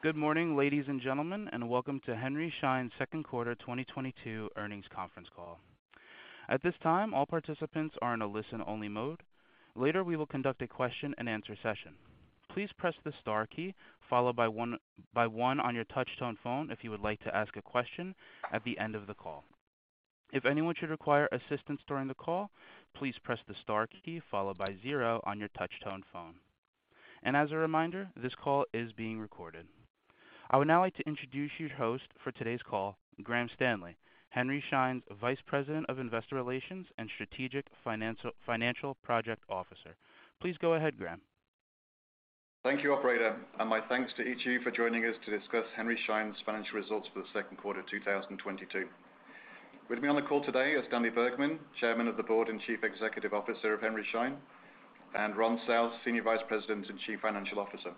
Good morning, ladies and gentlemen, and welcome to Henry Schein's second quarter 2022 earnings conference call. At this time, all participants are in a listen-only mode. Later, we will conduct a question-and-answer session. Please press the star key followed by one on your touch-tone phone if you would like to ask a question at the end of the call. If anyone should require assistance during the call, please press the star key followed by zero on your touch-tone phone. As a reminder, this call is being recorded. I would now like to introduce your host for today's call, Graham Stanley, Henry Schein's Vice President of Investor Relations and Strategic Financial Project Officer. Please go ahead, Graham. Thank you, operator. My thanks to each of you for joining us to discuss Henry Schein's financial results for the second quarter 2022. With me on the call today is Stanley Bergman, Chairman of the Board and Chief Executive Officer of Henry Schein, and Ron South, Senior Vice President and Chief Financial Officer.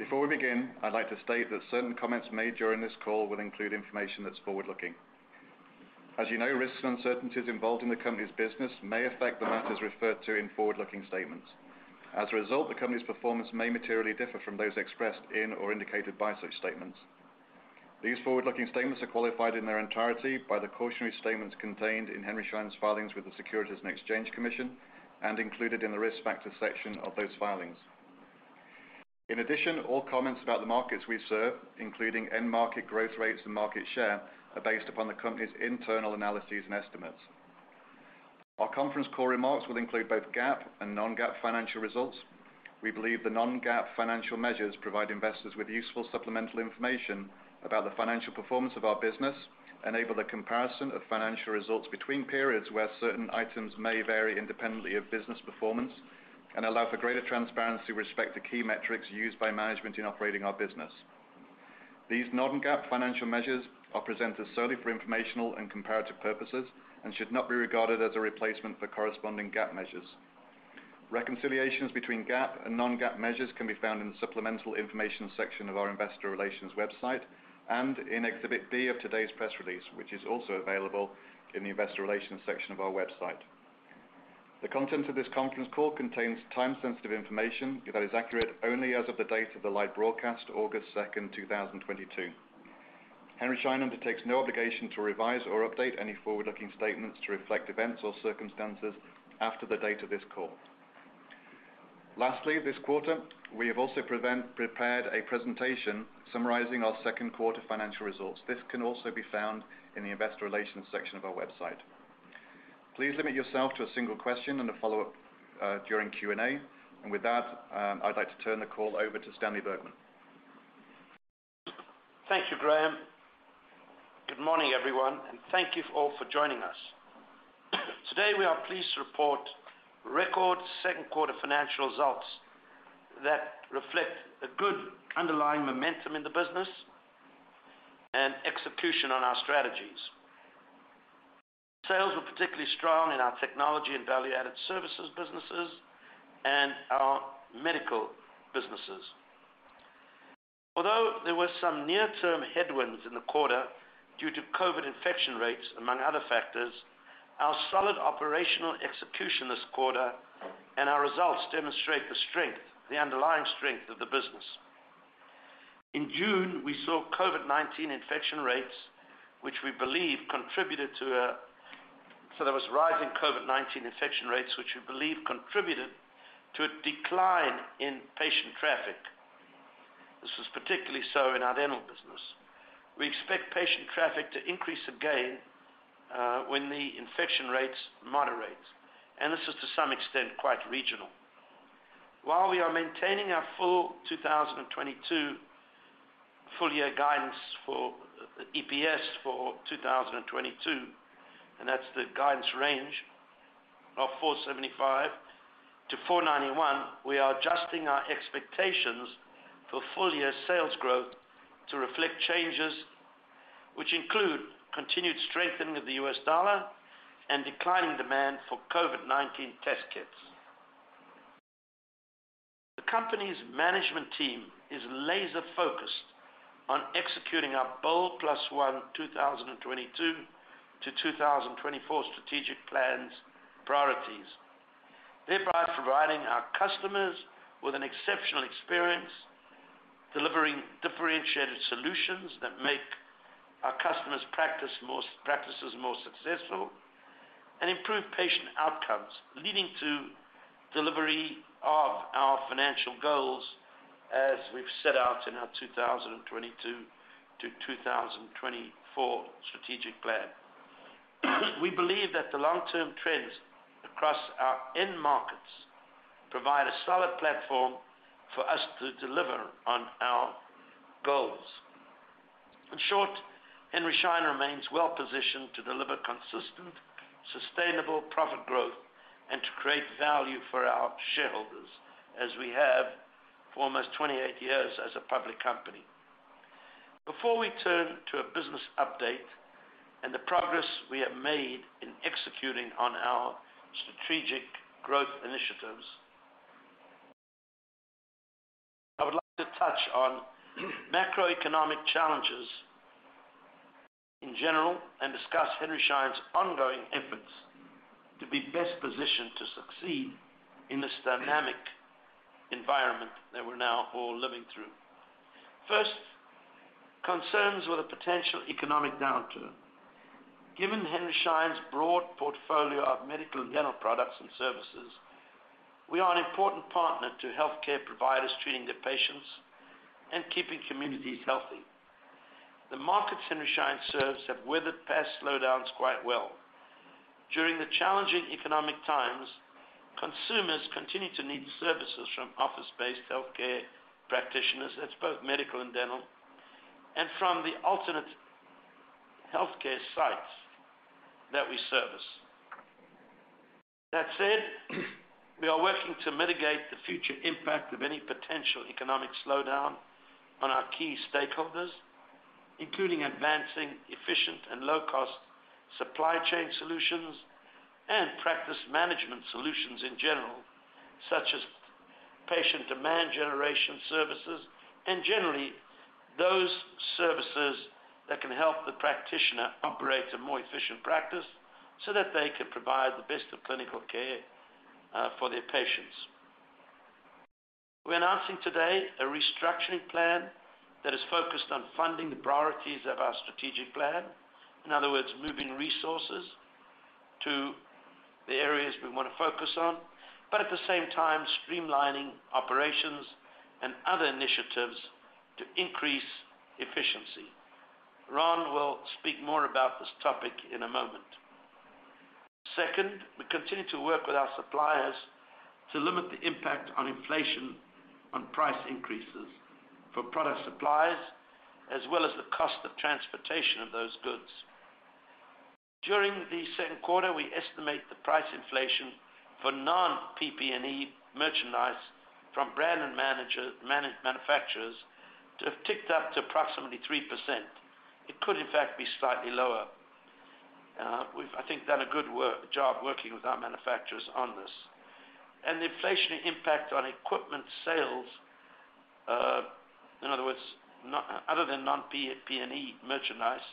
Before we begin, I'd like to state that certain comments made during this call will include information that's forward-looking. As you know, risks and uncertainties involved in the company's business may affect the matters referred to in forward-looking statements. As a result, the company's performance may materially differ from those expressed in or indicated by such statements. These forward-looking statements are qualified in their entirety by the cautionary statements contained in Henry Schein's filings with the Securities and Exchange Commission and included in the Risk Factors section of those filings. In addition, all comments about the markets we serve, including end market growth rates and market share, are based upon the company's internal analyses and estimates. Our conference call remarks will include both GAAP and non-GAAP financial results. We believe the non-GAAP financial measures provide investors with useful supplemental information about the financial performance of our business, enable the comparison of financial results between periods where certain items may vary independently of business performance, and allow for greater transparency with respect to key metrics used by management in operating our business. These non-GAAP financial measures are presented solely for informational and comparative purposes and should not be regarded as a replacement for corresponding GAAP measures. Reconciliations between GAAP and non-GAAP measures can be found in the supplemental information section of our investor relations website and in Exhibit B of today's press release, which is also available in the Investor Relations section of our website. The content of this conference call contains time-sensitive information that is accurate only as of the date of the live broadcast, August 2nd, 2022. Henry Schein undertakes no obligation to revise or update any forward-looking statements to reflect events or circumstances after the date of this call. Lastly, this quarter, we have also prepared a presentation summarizing our second quarter financial results. This can also be found in the Investor Relations section of our website. Please limit yourself to a single question and a follow-up during Q&A. With that, I'd like to turn the call over to Stanley Bergman. Thank you, Graham. Good morning, everyone, and thank you all for joining us. Today, we are pleased to report record second quarter financial results that reflect a good underlying momentum in the business and execution on our strategies. Sales were particularly strong in our Technology and Value-Added Services businesses and our Medical businesses. Although there were some near-term headwinds in the quarter due to COVID infection rates, among other factors, our solid operational execution this quarter and our results demonstrate the underlying strength of the business. There was a rise in COVID-19 infection rates, which we believe contributed to a decline in patient traffic. This was particularly so in our dental business. We expect patient traffic to increase again when the infection rates moderate, and this is to some extent quite regional. While we are maintaining our full 2022 full year guidance for EPS for 2022, and that's the guidance range of $4.75-$4.91, we are adjusting our expectations for full-year sales growth to reflect changes, which include continued strengthening of the U.S dollar and declining demand for COVID-19 test kits. The company's management team is laser-focused on executing our BOLD+1 2022-2024 strategic plan's priorities, thereby providing our customers with an exceptional experience, delivering differentiated solutions that make our customers' practices more successful, and improve patient outcomes, leading to delivery of our financial goals as we've set out in our 2022-2024 strategic plan. We believe that the long-term trends across our end markets provide a solid platform for us to deliver on our goals. In short, Henry Schein remains well positioned to deliver consistent, sustainable profit growth and to create value for our shareholders, as we have for almost 28 years as a public company. Before we turn to a business update and the progress we have made in executing on our strategic growth initiatives, I would like to touch on macroeconomic challenges. In general and discuss Henry Schein's ongoing efforts to be best positioned to succeed in this dynamic environment that we're now all living through. First, concerns with a potential economic downturn. Given Henry Schein's broad portfolio of medical and dental products and services, we are an important partner to healthcare providers treating their patients and keeping communities healthy. The markets Henry Schein serves have weathered past slowdowns quite well. During the challenging economic times, consumers continue to need services from office-based healthcare practitioners, that's both medical and dental, and from the alternate healthcare sites that we service. That said, we are working to mitigate the future impact of any potential economic slowdown on our key stakeholders, including advancing efficient and low-cost supply chain solutions and practice management solutions in general, such as patient demand generation services, and generally, those services that can help the practitioner operate a more efficient practice so that they can provide the best of clinical care for their patients. We're announcing today a restructuring plan that is focused on funding the priorities of our strategic plan. In other words, moving resources to the areas we wanna focus on, but at the same time, streamlining operations and other initiatives to increase efficiency. Ron will speak more about this topic in a moment. Second, we continue to work with our suppliers to limit the impact of inflation on price increases for product supplies, as well as the cost of transportation of those goods. During the second quarter, we estimate the price inflation for non-PPE merchandise from brands and manufacturers to have ticked up to approximately 3%. It could, in fact, be slightly lower. We've, I think, done a good job working with our manufacturers on this. The inflationary impact on equipment sales, in other words, other than non-PPE merchandise,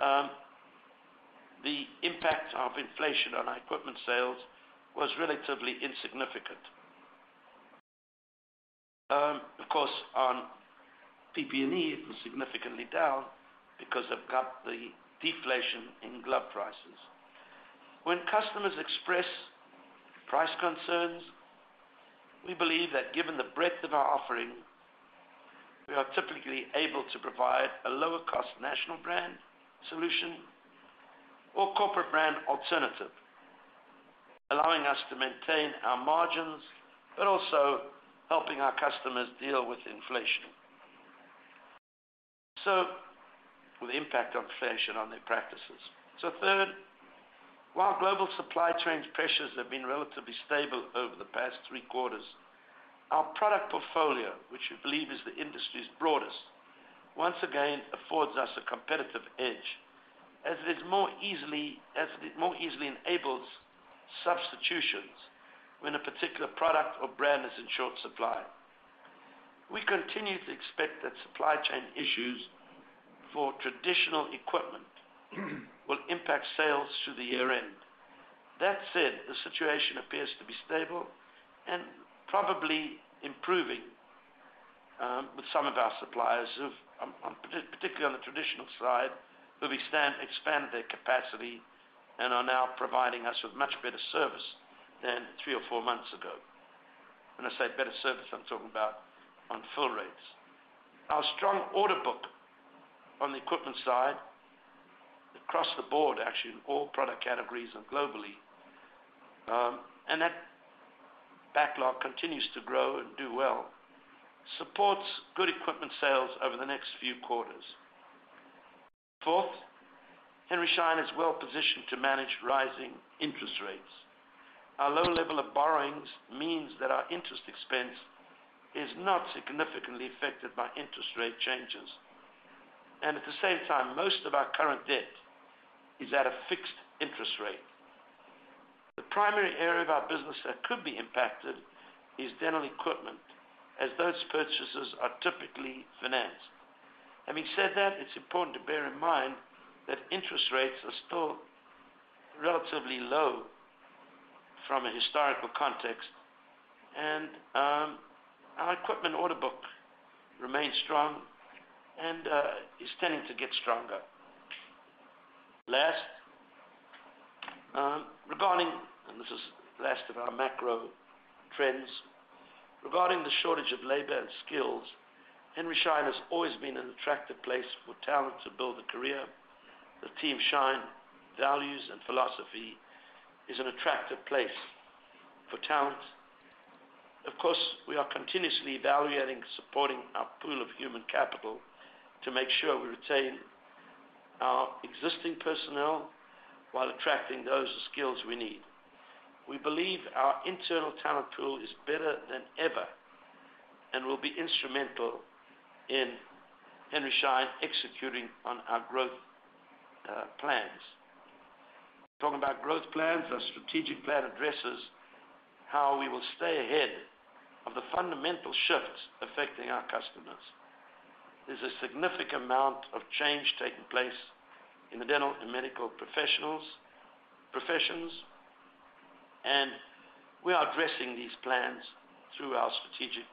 the impact of inflation on our equipment sales was relatively insignificant. Of course, on PPE, it was significantly down because of the deflation in glove prices. When customers express price concerns, we believe that given the breadth of our offering, we are typically able to provide a lower cost national brand solution or corporate brand alternative, allowing us to maintain our margins, but also helping our customers deal with inflation. With the impact of inflation on their practices. Third, while global supply chain pressures have been relatively stable over the past three quarters, our product portfolio, which we believe is the industry's broadest, once again affords us a competitive edge, as it more easily enables substitutions when a particular product or brand is in short supply. We continue to expect that supply chain issues for traditional equipment will impact sales through the year-end. That said, the situation appears to be stable and probably improving, with some of our suppliers of, particularly on the traditional side, who expanded their capacity and are now providing us with much better service than three or four months ago. When I say better service, I'm talking about on fill rates. Our strong order book on the equipment side across the board, actually in all product categories and globally, and that backlog continues to grow and do well, supports good equipment sales over the next few quarters. Fourth, Henry Schein is well-positioned to manage rising interest rates. Our low level of borrowings means that our interest expense is not significantly affected by interest rate changes. At the same time, most of our current debt is at a fixed interest rate. The primary area of our business that could be impacted is dental equipment, as those purchases are typically financed. Having said that, it's important to bear in mind that interest rates are still relatively low from a historical context. Our equipment order book remains strong and is tending to get stronger. Last, this is the last of our macro trends. Regarding the shortage of labor and skills, Henry Schein has always been an attractive place for talent to build a career. The Team Schein values and philosophy is an attractive place for talent. Of course, we are continuously evaluating supporting our pool of human capital to make sure we retain our existing personnel while attracting those skills we need. We believe our internal talent pool is better than ever and will be instrumental in Henry Schein executing on our growth plans. Talking about growth plans, our strategic plan addresses how we will stay ahead of the fundamental shifts affecting our customers. There's a significant amount of change taking place in the dental and medical professions, and we are addressing these dynamics through our strategic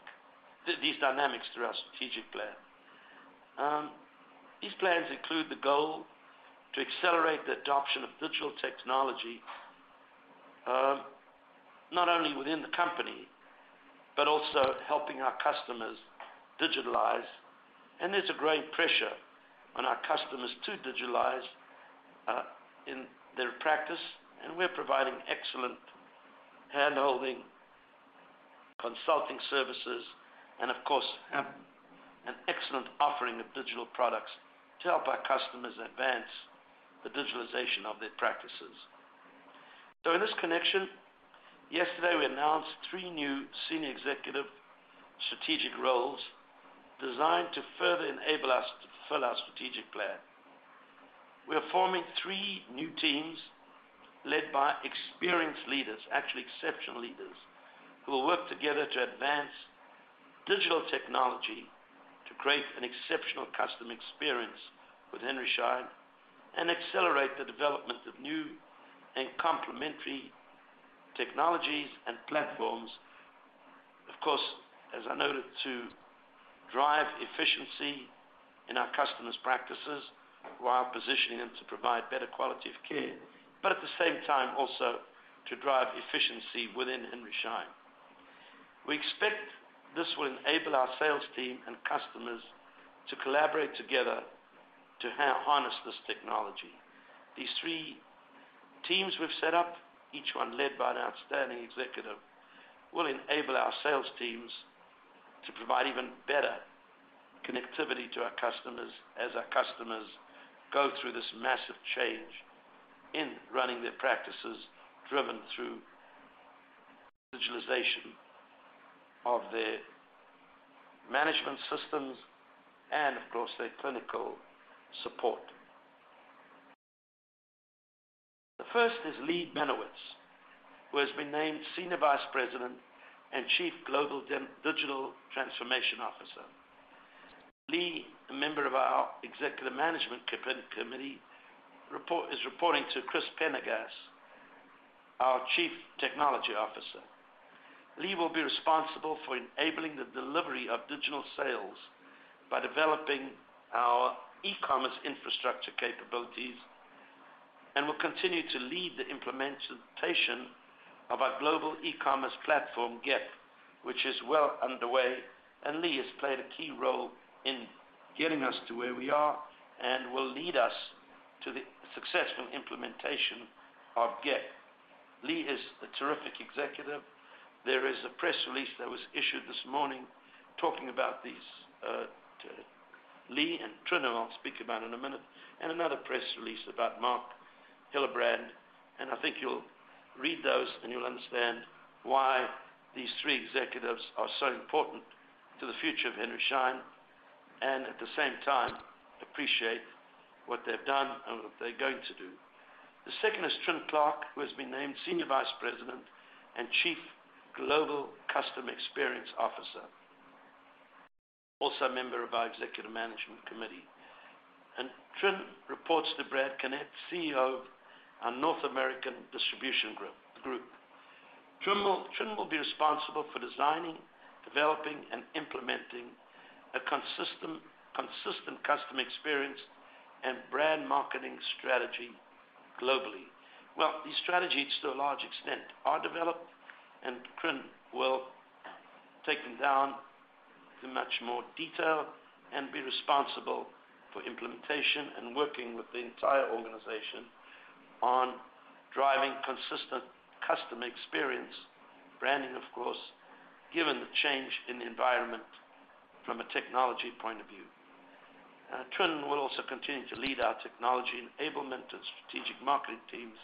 plan. These plans include the goal to accelerate the adoption of digital technology, not only within the company, but also helping our customers digitalize. There's a great pressure on our customers to digitalize in their practice, and we're providing excellent handholding, consulting services, and of course, an excellent offering of digital products to help our customers advance the digitalization of their practices. In this connection, yesterday, we announced three new senior executive strategic roles designed to further enable us to fulfill our strategic plan. We are forming three new teams led by experienced leaders, actually exceptional leaders, who will work together to advance digital technology to create an exceptional customer experience with Henry Schein, and accelerate the development of new and complementary technologies and platforms. Of course, as I noted, to drive efficiency in our customers' practices while positioning them to provide better quality of care. At the same time, also to drive efficiency within Henry Schein. We expect this will enable our sales team and customers to collaborate together to harness this technology. These three teams we've set up, each one led by an outstanding executive, will enable our sales teams to provide even better connectivity to our customers as our customers go through this massive change in running their practices, driven through digitalization of their management systems and of course, their clinical support. The first is Leigh Benowitz, who has been named Senior Vice President and Chief Global Digital Transformation Officer. Leigh, a member of our executive management committee, is reporting to Chris Pendergast, our Chief Technology Officer. Leigh will be responsible for enabling the delivery of digital sales by developing our e-commerce infrastructure capabilities, and will continue to lead the implementation of our global e-commerce platform, GEF, which is well underway. Leigh has played a key role in getting us to where we are and will lead us to the successful implementation of GEF. Leigh is a terrific executive. There is a press release that was issued this morning talking about these to Leigh and Trinh, who I'll speak about in a minute, and another press release about Mark Hillebrandt. I think you'll read those, and you'll understand why these three executives are so important to the future of Henry Schein and at the same time, appreciate what they've done and what they're going to do. The second is Trinh Clark, who has been named Senior Vice President and Chief Global Customer Experience Officer, also a member of our Executive Management Committee. Trinh reports to Brad Connett, CEO of our North American Distribution Group. Trinh will be responsible for designing, developing, and implementing a consistent customer experience and brand marketing strategy globally. Well, these strategies, to a large extent, are developed, and Trin will take them down to much more detail and be responsible for implementation and working with the entire organization on driving consistent customer experience, branding, of course, given the change in the environment from a technology point of view. Trinh will also continue to lead our technology enablement and strategic marketing teams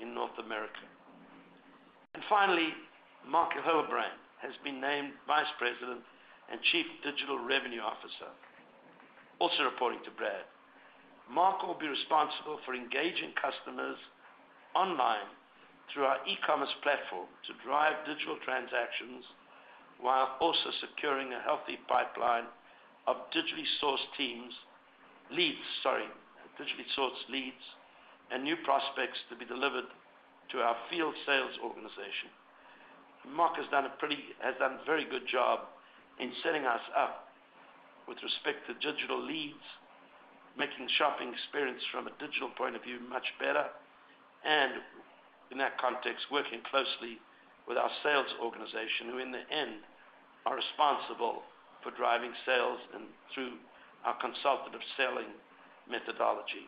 in North America. Finally, Mark Hillebrandt has been named Vice President and Chief Digital Revenue Officer, also reporting to Brad. Mark will be responsible for engaging customers online through our e-commerce platform to drive digital transactions while also securing a healthy pipeline of digitally sourced leads and new prospects to be delivered to our field sales organization. Mark has done a very good job in setting us up with respect to digital leads, making the shopping experience from a digital point of view, much better, and in that context, working closely with our sales organization, who in the end, are responsible for driving sales and through our consultative selling methodology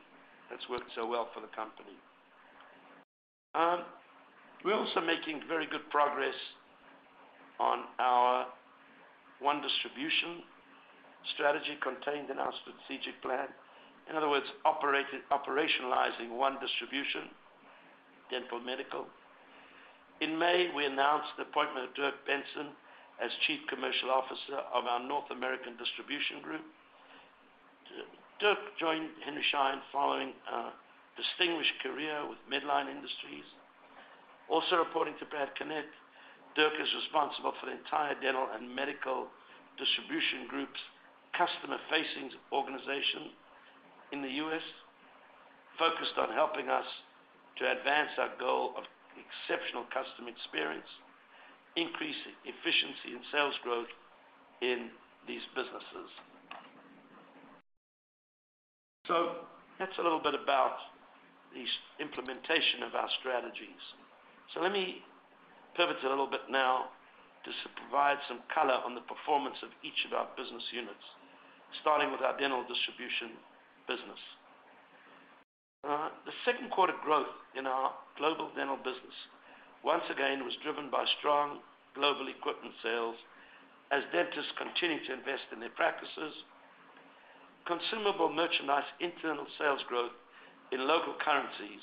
that's worked so well for the company. We're also making very good progress on our one distribution strategy contained in our strategic plan. In other words, operationalizing one distribution, dental, medical. In May, we announced the appointment of Dirk Benson as Chief Commercial Officer of our North America Distribution Group. Dirk joined Henry Schein following a distinguished career with Medline Industries. Also reporting to Brad Connett, Dirk is responsible for the entire dental and medical distribution group's customer-facing organization in the U.S., focused on helping us to advance our goal of exceptional customer experience, increase efficiency, and sales growth in these businesses. That's a little bit about this implementation of our strategies. Let me pivot a little bit now just to provide some color on the performance of each of our business units, starting with our dental distribution business. The second quarter growth in our global dental business once again was driven by strong global equipment sales as dentists continue to invest in their practices. Consumable merchandise internal sales growth in local currencies,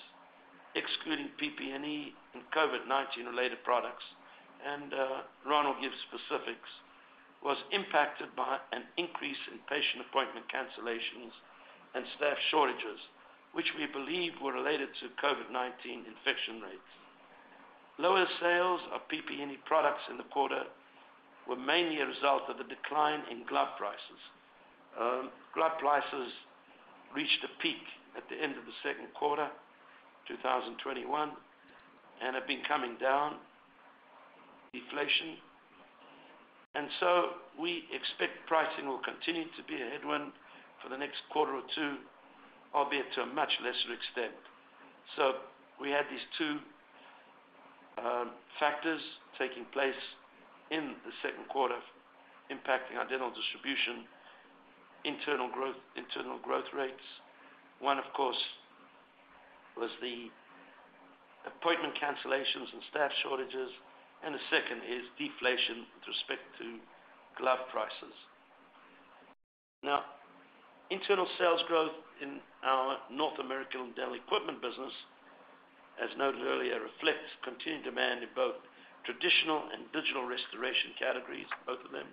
excluding PPE and COVID-19 related products, was impacted by an increase in patient appointment cancellations and staff shortages, which we believe were related to COVID-19 infection rates. Lower sales of PPE products in the quarter were mainly a result of the decline in glove prices. Glove prices reached a peak at the end of the second quarter, 2021, and have been coming down, deflation. We expect pricing will continue to be a headwind for the next quarter or two, albeit to a much lesser extent. We had these two factors taking place in the second quarter impacting our dental distribution internal growth, internal growth rates. One, of course, was the appointment cancellations and staff shortages, and the second is deflation with respect to glove prices. Now, internal sales growth in our North American Dental Equipment business, as noted earlier, reflects continued demand in both traditional and digital restoration categories, both of them.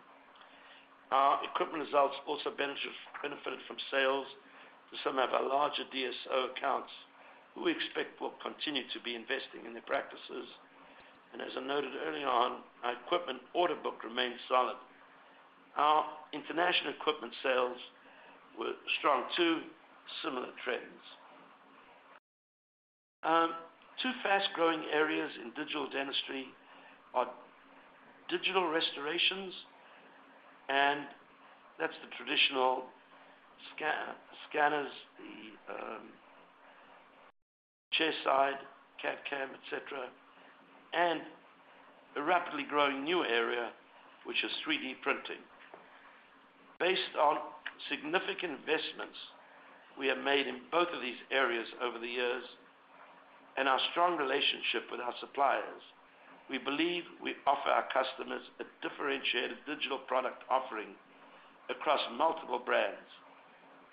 Our equipment results benefited from sales to some of our larger DSO accounts, who we expect will continue to be investing in their practices. As I noted early on, our equipment order book remains solid. Our international equipment sales were strong, too. Similar trends. Two fast-growing areas in digital dentistry are digital restorations, and that's the traditional scanners, the chairside, CAD/CAM, et cetera, and a rapidly growing new area, which is 3D printing. Based on significant investments we have made in both of these areas over the years and our strong relationship with our suppliers, we believe we offer our customers a differentiated digital product offering across multiple brands,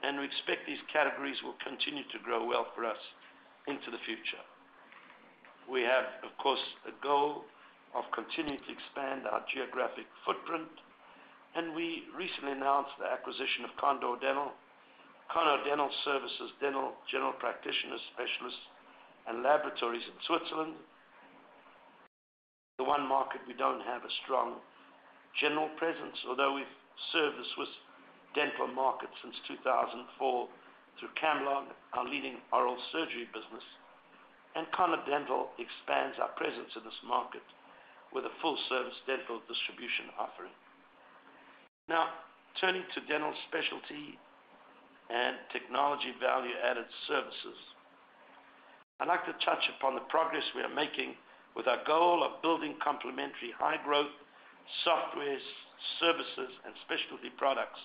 and we expect these categories will continue to grow well for us into the future. We have, of course, a goal of continuing to expand our geographic footprint, and we recently announced the acquisition of Condor Dental. Condor Dental services dental general practitioners, specialists, and laboratories in Switzerland. The one market we don't have a strong general presence, although we've served the Swiss dental market since 2004 through Camlog, our leading oral surgery business. Condor Dental expands our presence in this market with a full service dental distribution offering. Now, turning to dental specialty and technology value-added services. I'd like to touch upon the progress we are making with our goal of building complementary high growth software, services, and specialty products,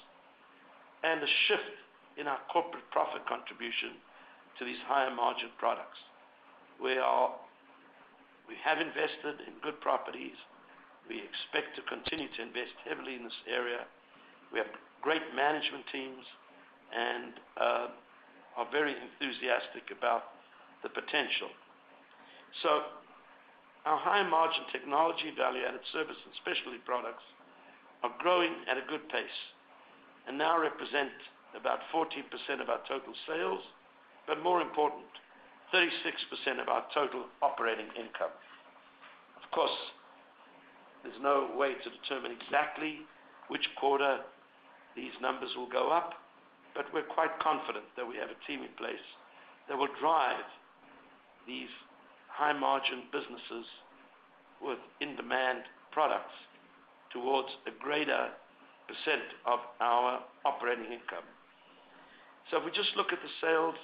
and a shift in our corporate profit contribution to these higher margin products. We have invested in good properties. We expect to continue to invest heavily in this area. We have great management teams and are very enthusiastic about the potential. Our high margin technology value-added service and specialty products are growing at a good pace and now represent about 14% of our total sales, but more important, 36% of our total operating income. Of course, there's no way to determine exactly which quarter these numbers will go up. We're quite confident that we have a team in place that will drive these high margin businesses with in-demand products towards a greater percent of our operating income. If we just look at the sales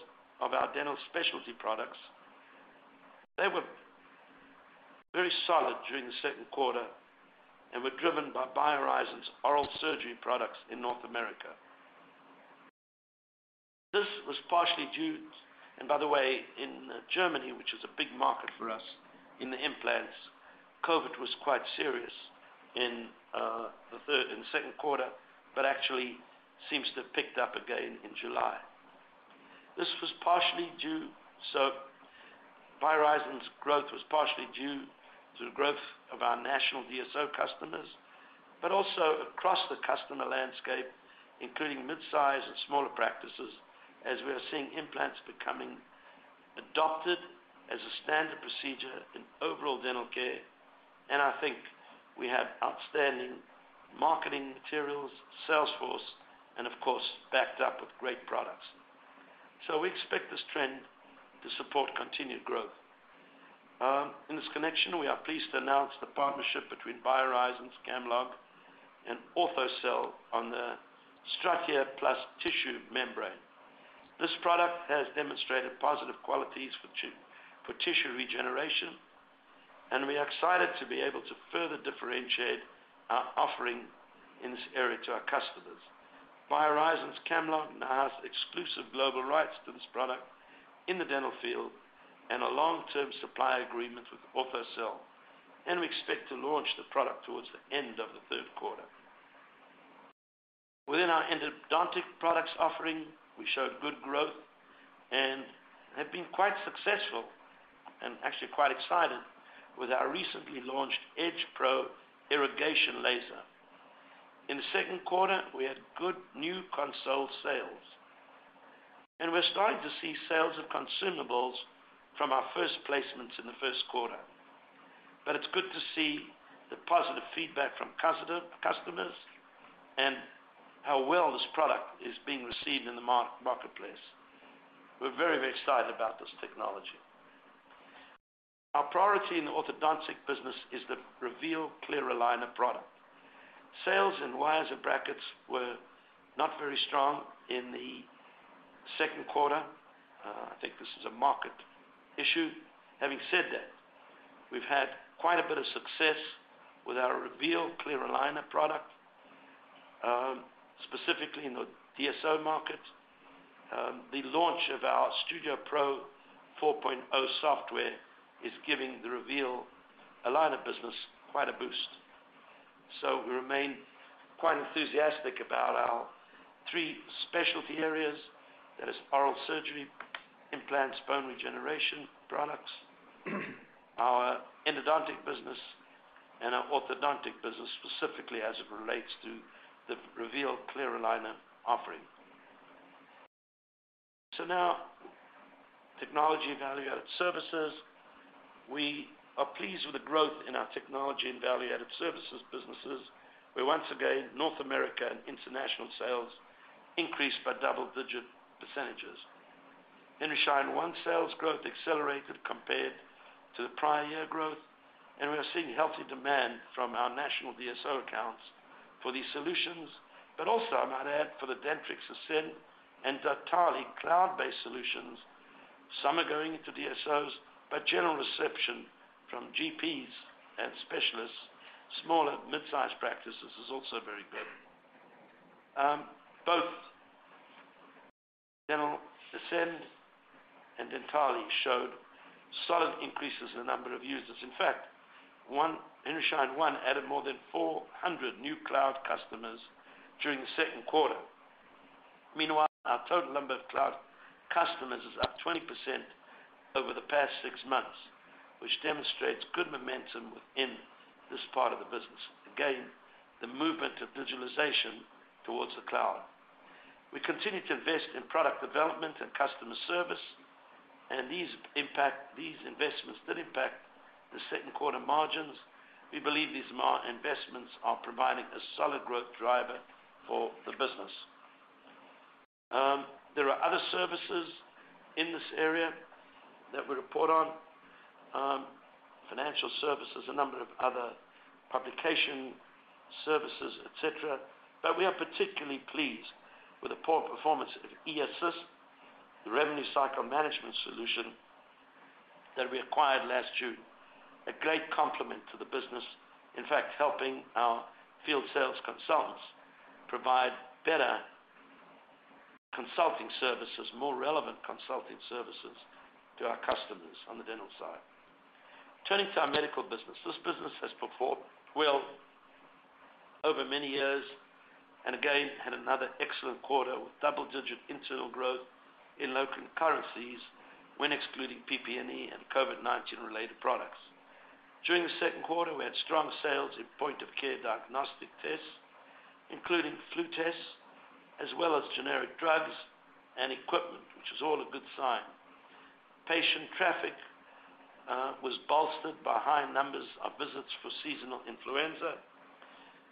of our dental specialty products, they were very solid during the second quarter and were driven by BioHorizons oral surgery products in North America. This was partially due. By the way, in Germany, which is a big market for us in the implants, COVID was quite serious in the third and second quarter, but actually seems to have picked up again in July. BioHorizons' growth was partially due to the growth of our national DSO customers, but also across the customer landscape, including mid-size and smaller practices, as we are seeing implants becoming adopted as a standard procedure in overall dental care. I think we have outstanding marketing materials, sales force, and of course, backed up with great products. We expect this trend to support continued growth. In this connection, we are pleased to announce the partnership between BioHorizons, Camlog, and Orthocell on the Striate+ tissue membrane. This product has demonstrated positive qualities for tissue regeneration, and we are excited to be able to further differentiate our offering in this area to our customers. BioHorizons Camlog now has exclusive global rights to this product in the dental field and a long-term supply agreement with Orthocell, and we expect to launch the product towards the end of the third quarter. Within our endodontic products offering, we showed good growth and have been quite successful and actually quite excited with our recently launched EdgePRO irrigation laser. In the second quarter, we had good new console sales, and we're starting to see sales of consumables from our first placements in the first quarter. It's good to see the positive feedback from customers and how well this product is being received in the marketplace. We're very, very excited about this technology. Our priority in the orthodontic business is the Reveal Clear Aligner product. Sales and wires and brackets were not very strong in the second quarter. I think this is a market issue. Having said that, we've had quite a bit of success with our Reveal Clear Aligner product, specifically in the DSO market. The launch of our Studio Pro 4.0 software is giving the Reveal aligner business quite a boost. We remain quite enthusiastic about our three specialty areas. That is oral surgery, implant, bone regeneration products, our endodontic business, and our orthodontic business, specifically as it relates to the Reveal Clear Aligner offering. Now, Technology and Value-Added services. We are pleased with the growth in our Technology and Value-Added Services businesses, where once again, North America and international sales increased by double-digit percentages. Henry Schein One sales growth accelerated compared to the prior year growth, and we are seeing healthy demand from our national DSO accounts for these solutions. Also, I might add, for the Dentrix Ascend and Dentally cloud-based solutions. Some are going into DSOs, but general reception from GPs and specialists, smaller, mid-sized practices is also very good. Both Dentrix Ascend and Dentally showed solid increases in the number of users. In fact, Henry Schein One added more than 400 new cloud customers during the second quarter. Meanwhile, our total number of cloud customers is up 20% over the past six months, which demonstrates good momentum within this part of the business. Again, the movement of digitalization towards the cloud. We continue to invest in product development and customer service, and these investments did impact the second quarter margins. We believe these M&A investments are providing a solid growth driver for the business. There are other services in this area that we report on, financial services, a number of other publication services, et cetera. We are particularly pleased with the strong performance of eAssist, the revenue cycle management solution that we acquired last June. A great complement to the business, in fact, helping our field sales consultants provide better consulting services, more relevant consulting services to our customers on the dental side. Turning to our Medical business. This business has performed well over many years and again, had another excellent quarter with double-digit internal growth in local currencies when excluding PPE and COVID-19 related products. During the second quarter, we had strong sales in point-of-care diagnostic tests, including flu tests, as well as generic drugs and equipment, which is all a good sign. Patient traffic was bolstered by high numbers of visits for seasonal influenza,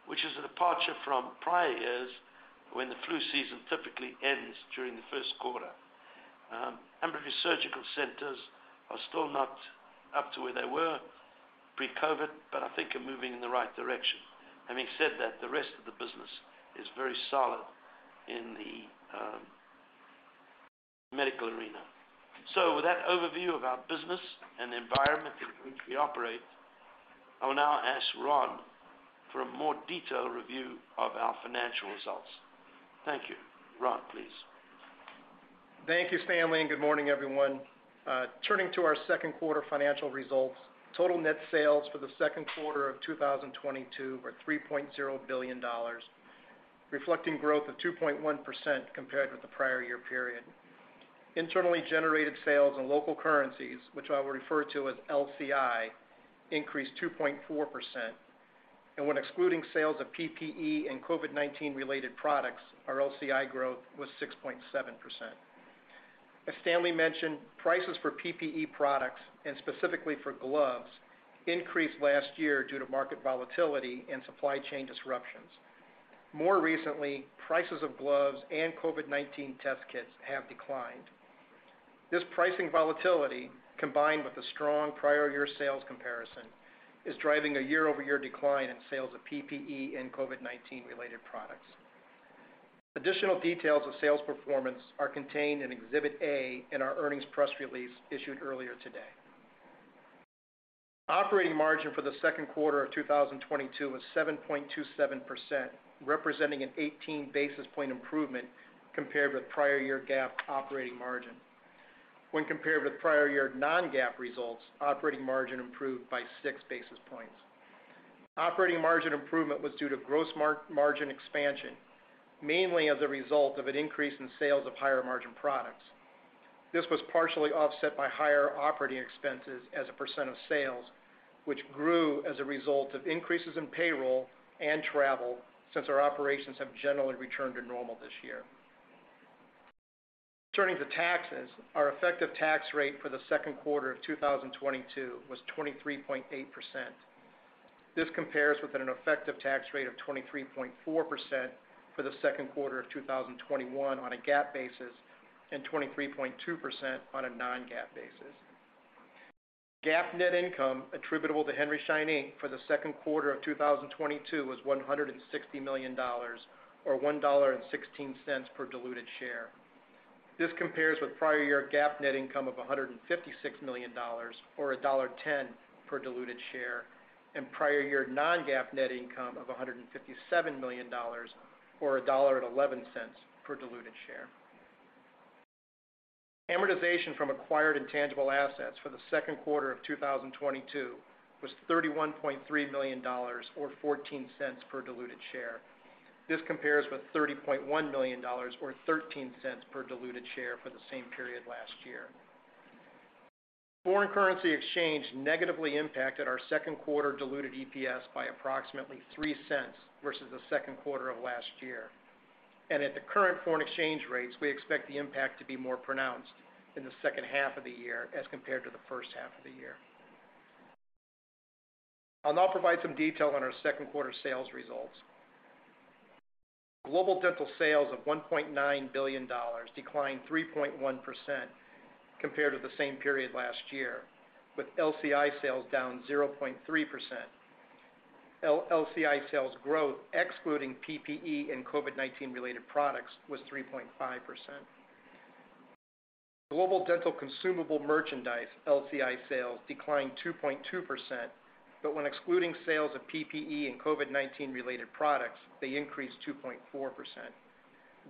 which is a departure from prior years when the flu season typically ends during the first quarter. Ambulatory surgical centers are still not up to where they were pre-COVID, but I think are moving in the right direction. Having said that, the rest of the business is very solid in the medical arena. With that overview of our business and the environment in which we operate, I will now ask Ron for a more detailed review of our financial results. Thank you. Ron, please. Thank you, Stanley, and good morning, everyone. Turning to our second quarter financial results. Total net sales for the second quarter of 2022 were $3.0 billion, reflecting growth of 2.1% compared with the prior year period. Internally generated sales in local currencies, which I will refer to as LCI, increased 2.4%. When excluding sales of PPE and COVID-19 related products, our LCI growth was 6.7%. As Stanley mentioned, prices for PPE products, and specifically for gloves, increased last year due to market volatility and supply chain disruptions. More recently, prices of gloves and COVID-19 test kits have declined. This pricing volatility, combined with the strong prior year sales comparison, is driving a year-over-year decline in sales of PPE and COVID-19 related products. Additional details of sales performance are contained in Exhibit A in our earnings press release issued earlier today. Operating margin for the second quarter of 2022 was 7.27%, representing an 18 basis points improvement compared with prior year GAAP operating margin. When compared with prior year non-GAAP results, operating margin improved by six basis points. Operating margin improvement was due to gross margin expansion, mainly as a result of an increase in sales of higher margin products. This was partially offset by higher operating expenses as a % of sales, which grew as a result of increases in payroll and travel since our operations have generally returned to normal this year. Turning to taxes, our effective tax rate for the second quarter of 2022 was 23.8%. This compares with an effective tax rate of 23.4% for the second quarter of 2021 on a GAAP basis, and 23.2% on a non-GAAP basis. GAAP net income attributable to Henry Schein, Inc. for the second quarter of 2022 was $160 million, or $1.16 per diluted share. This compares with prior year GAAP net income of $156 million, or $1.10 per diluted share, and prior year non-GAAP net income of $157 million, or $1.11 per diluted share. Amortization from acquired intangible assets for the second quarter of 2022 was $31.3 million, or $0.14 cents per diluted share. This compares with $30.1 million or $0.13 per diluted share for the same period last year. Foreign currency exchange negatively impacted our second quarter diluted EPS by approximately $0.03 versus the second quarter of last year. At the current foreign exchange rates, we expect the impact to be more pronounced in the second half of the year as compared to the first half of the year. I'll now provide some detail on our second quarter sales results. Global dental sales of $1.9 billion declined 3.1% compared to the same period last year, with LCI sales down 0.3%. LCI sales growth, excluding PPE and COVID-19 related products, was 3.5%. Global dental consumable merchandise LCI sales declined 2.2%, when excluding sales of PPE and COVID-19 related products, they increased 2.4%.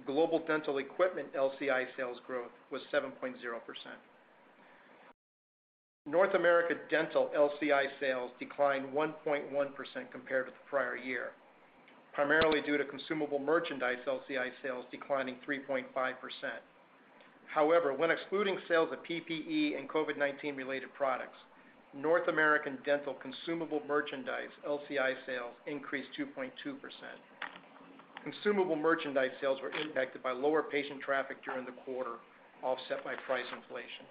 Global dental equipment LCI sales growth was 7.0%. North America dental LCI sales declined 1.1% compared with the prior year, primarily due to consumable merchandise LCI sales declining 3.5%. However, when excluding sales of PPE and COVID-19 related products, North American dental consumable merchandise LCI sales increased 2.2%. Consumable merchandise sales were impacted by lower patient traffic during the quarter, offset by price inflation.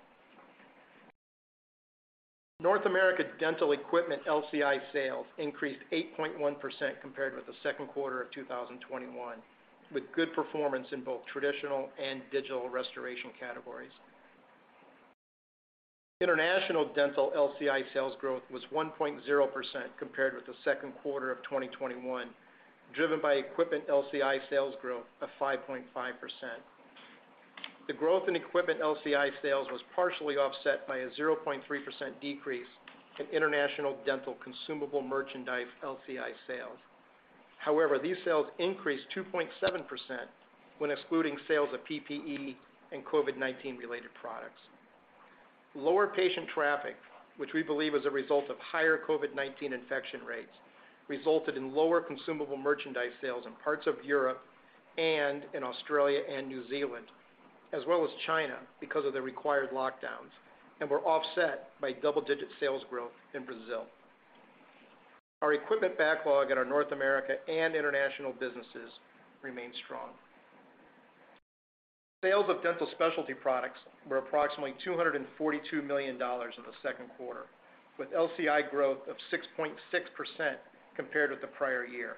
North America dental equipment LCI sales increased 8.1% compared with the second quarter of 2021, with good performance in both traditional and digital restoration categories. International dental LCI sales growth was 1.0% compared with the second quarter of 2021, driven by equipment LCI sales growth of 5.5%. The growth in equipment LCI sales was partially offset by a 0.3% decrease in international dental consumable merchandise LCI sales. However, these sales increased 2.7% when excluding sales of PPE and COVID-19 related products. Lower patient traffic, which we believe is a result of higher COVID-19 infection rates, resulted in lower consumable merchandise sales in parts of Europe and in Australia and New Zealand, as well as China because of the required lockdowns, and were offset by double-digit sales growth in Brazil. Our equipment backlog at our North America and international businesses remain strong. Sales of dental specialty products were approximately $242 million in the second quarter, with LCI growth of 6.6% compared with the prior year.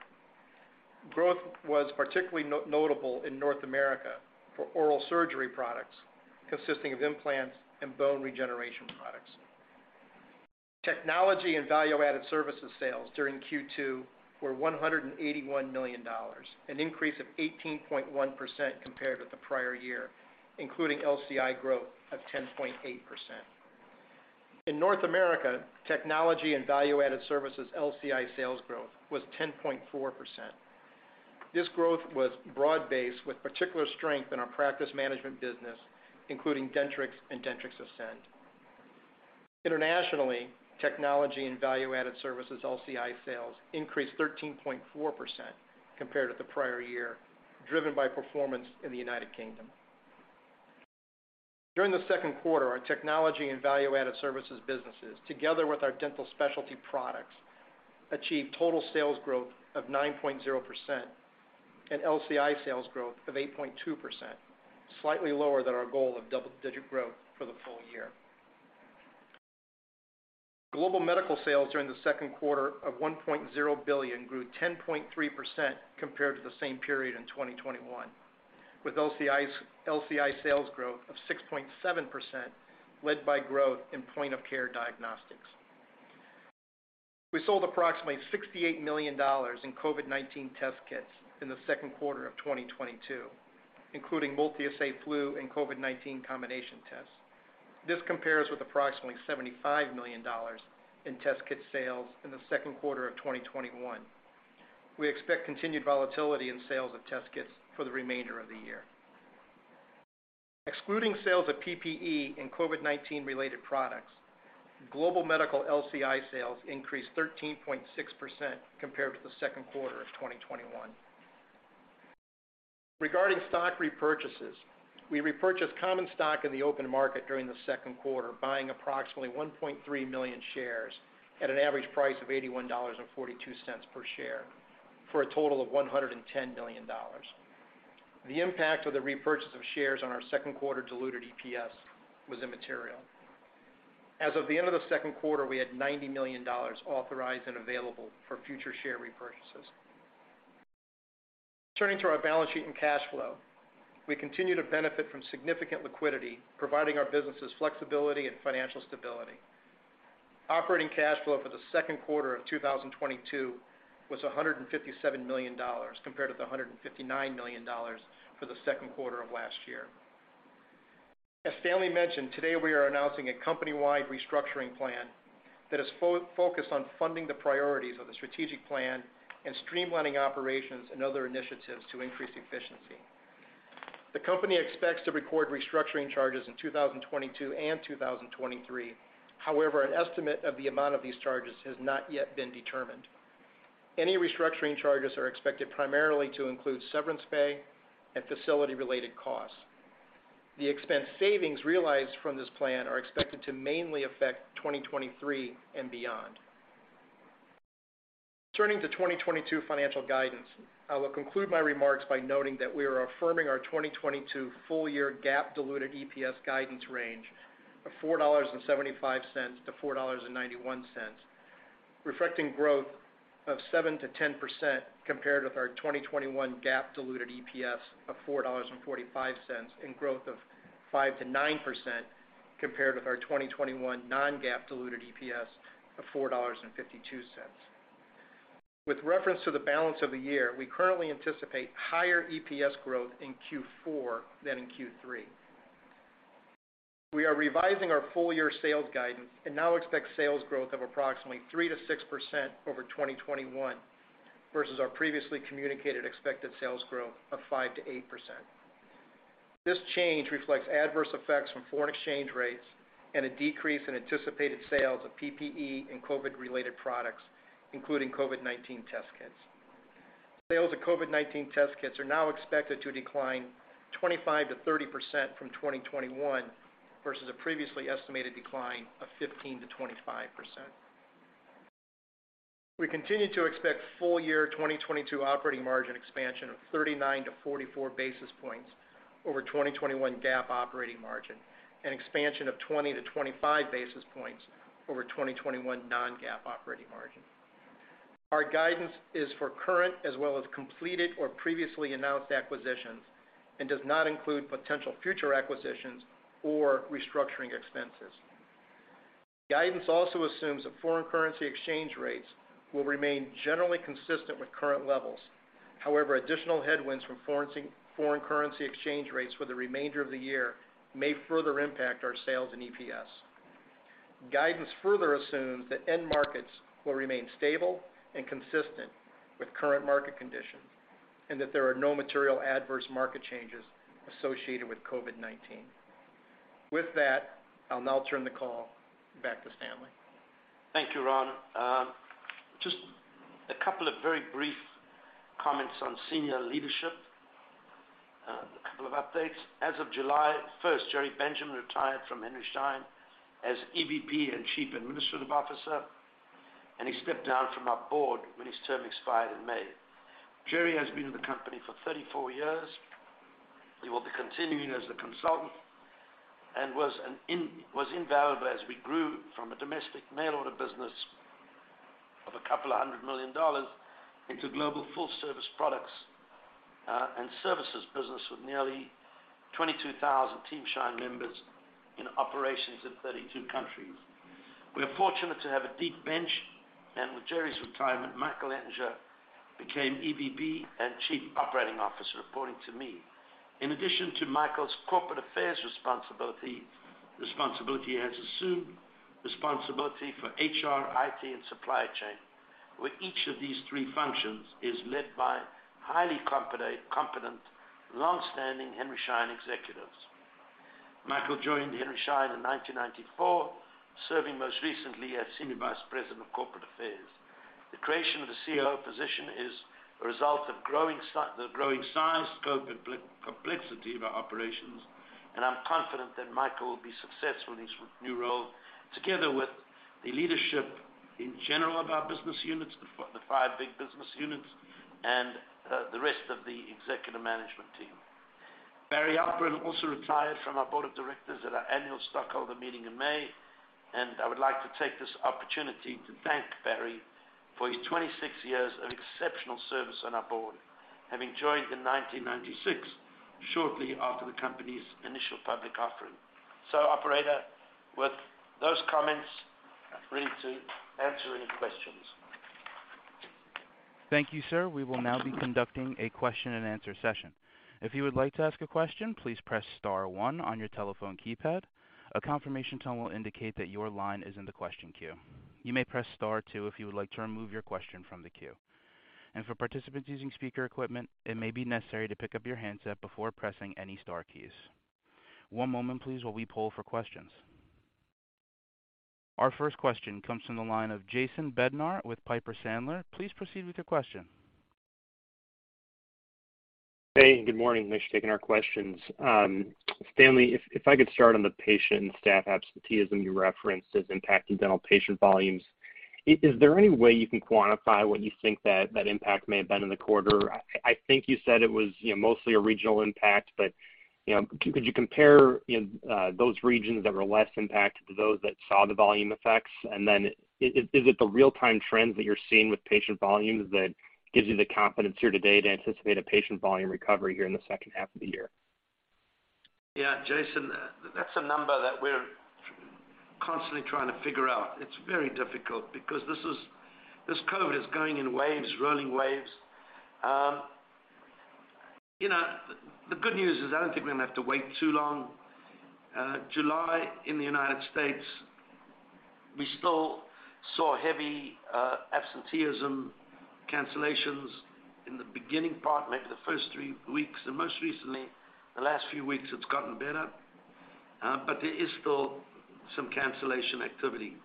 Growth was particularly notable in North America for oral surgery products, consisting of implants and bone regeneration products. Technology and value-added services sales during Q2 were $181 million, an increase of 18.1% compared with the prior year, including LCI growth of 10.8%. In North America, Technology and Value-Added Services LCI sales growth was 10.4%. This growth was broad-based with particular strength in our practice management business, including Dentrix and Dentrix Ascend. Internationally, Technology and Value-Added Services LCI sales increased 13.4% compared to the prior year, driven by performance in the United Kingdom. During the second quarter, our Technology and Value-Added Services businesses, together with our dental specialty products, achieved total sales growth of 9.0% and LCI sales growth of 8.2%, slightly lower than our goal of double-digit growth for the full year. Global medical sales during the second quarter of $1.0 billion grew 10.3% compared to the same period in 2021, with LCI sales growth of 6.7% led by growth in point-of-care diagnostics. We sold approximately $68 million in COVID-19 test kits in the second quarter of 2022, including multi-assay flu and COVID-19 combination tests. This compares with approximately $75 million in test kit sales in the second quarter of 2021. We expect continued volatility in sales of test kits for the remainder of the year. Excluding sales of PPE and COVID-19 related products, Global Medical LCI sales increased 13.6% compared to the second quarter of 2021. Regarding stock repurchases, we repurchased common stock in the open market during the second quarter, buying approximately 1.3 million shares at an average price of $81.42 per share for a total of $110 million. The impact of the repurchase of shares on our second quarter diluted EPS was immaterial. As of the end of the second quarter, we had $90 million authorized and available for future share repurchases. Turning to our balance sheet and cash flow, we continue to benefit from significant liquidity, providing our businesses flexibility and financial stability. Operating cash flow for the second quarter of 2022 was $157 million compared to the $159 million for the second quarter of last year. As Stanley mentioned, today we are announcing a company-wide restructuring plan that is focused on funding the priorities of the strategic plan and streamlining operations and other initiatives to increase efficiency. The company expects to record restructuring charges in 2022 and 2023. However, an estimate of the amount of these charges has not yet been determined. Any restructuring charges are expected primarily to include severance pay and facility-related costs. The expense savings realized from this plan are expected to mainly affect 2023 and beyond. Turning to 2022 financial guidance, I will conclude my remarks by noting that we are affirming our 2022 full-year GAAP diluted EPS guidance range of $4.75-$4.91, reflecting growth of 7%-10% compared with our 2021 GAAP diluted EPS of $4.45 and growth of 5%-9% compared with our 2021 non-GAAP diluted EPS of $4.52. With reference to the balance of the year, we currently anticipate higher EPS growth in Q4 than in Q3. We are revising our full-year sales guidance and now expect sales growth of approximately 3%-6% over 2021 versus our previously communicated expected sales growth of 5%-8%. This change reflects adverse effects from foreign exchange rates and a decrease in anticipated sales of PPE and COVID-related products, including COVID-19 test kits. Sales of COVID-19 test kits are now expected to decline 25%-30% from 2021 versus a previously estimated decline of 15%-25%. We continue to expect full year 2022 operating margin expansion of 39-44 basis points over 2021 GAAP operating margin and expansion of 20-25 basis points over 2021 non-GAAP operating margin. Our guidance is for current as well as completed or previously announced acquisitions and does not include potential future acquisitions or restructuring expenses. Guidance also assumes that foreign currency exchange rates will remain generally consistent with current levels. However, additional headwinds from foreign currency exchange rates for the remainder of the year may further impact our sales and EPS. Guidance further assumes that end markets will remain stable and consistent with current market conditions, and that there are no material adverse market changes associated with COVID-19. With that, I'll now turn the call back to Stanley. Thank you, Ron. Just a couple of very brief comments on senior leadership. A couple of updates. As of July 1st, Gerry Benjamin retired from Henry Schein as EVP and Chief Administrative Officer, and he stepped down from our Board when his term expired in May. Gerry has been with the company for 34 years. He will be continuing as a consultant and was invaluable as we grew from a domestic mail order business of $200 million into global full service products and services business with nearly 22,000 Team Schein members in operations in 32 countries. We are fortunate to have a deep bench, and with Gerry's retirement, Michael Ettinger became EVP and Chief Operating Officer, reporting to me. In addition to Michael's corporate affairs responsibility, he has assumed responsibility for HR, IT, and supply chain, where each of these three functions is led by highly competent, long-standing Henry Schein executives. Michael joined Henry Schein in 1994, serving most recently as Senior Vice President of Corporate Affairs. The creation of the COO position is a result of the growing size, scope, and complexity of our operations, and I'm confident that Michael will be successful in his new role, together with the leadership in general of our business units, the five big business units and the rest of the executive management team. Barry Alperin also retired from our Board of Directors at our Annual Stockholder Meeting in May, and I would like to take this opportunity to thank Barry for his 26 years of exceptional service on our Board, having joined in 1996, shortly after the company's initial public offering. Operator, with those comments, I'm free to answer any questions. Thank you, sir. We will now be conducting a question-and-answer session. If you would like to ask a question, please press star one on your telephone keypad. A confirmation tone will indicate that your line is in the question queue. You may press star two if you would like to remove your question from the queue. For participants using speaker equipment, it may be necessary to pick up your handset before pressing any star keys. One moment please, while we poll for questions. Our first question comes from the line of Jason Bednar with Piper Sandler. Please proceed with your question. Hey, good morning. Thanks for taking our questions. Stanley, if I could start on the patient and staff absenteeism you referenced as impacting dental patient volumes. Is there any way you can quantify what you think that impact may have been in the quarter? I think you said it was mostly a regional impact, but could you compare those regions that were less impacted to those that saw the volume effects? Is it the real-time trends that you're seeing with patient volumes that gives you the confidence here today to anticipate a patient volume recovery here in the second half of the year? Yeah, Jason, that's a number that we're constantly trying to figure out. It's very difficult because this COVID is going in waves, rolling waves. You know, the good news is I don't think we're gonna have to wait too long. July in the United States, we still saw heavy absenteeism, cancellations in the beginning part, maybe the first three weeks. Most recently, the last few weeks, it's gotten better. But there is still some cancellation activity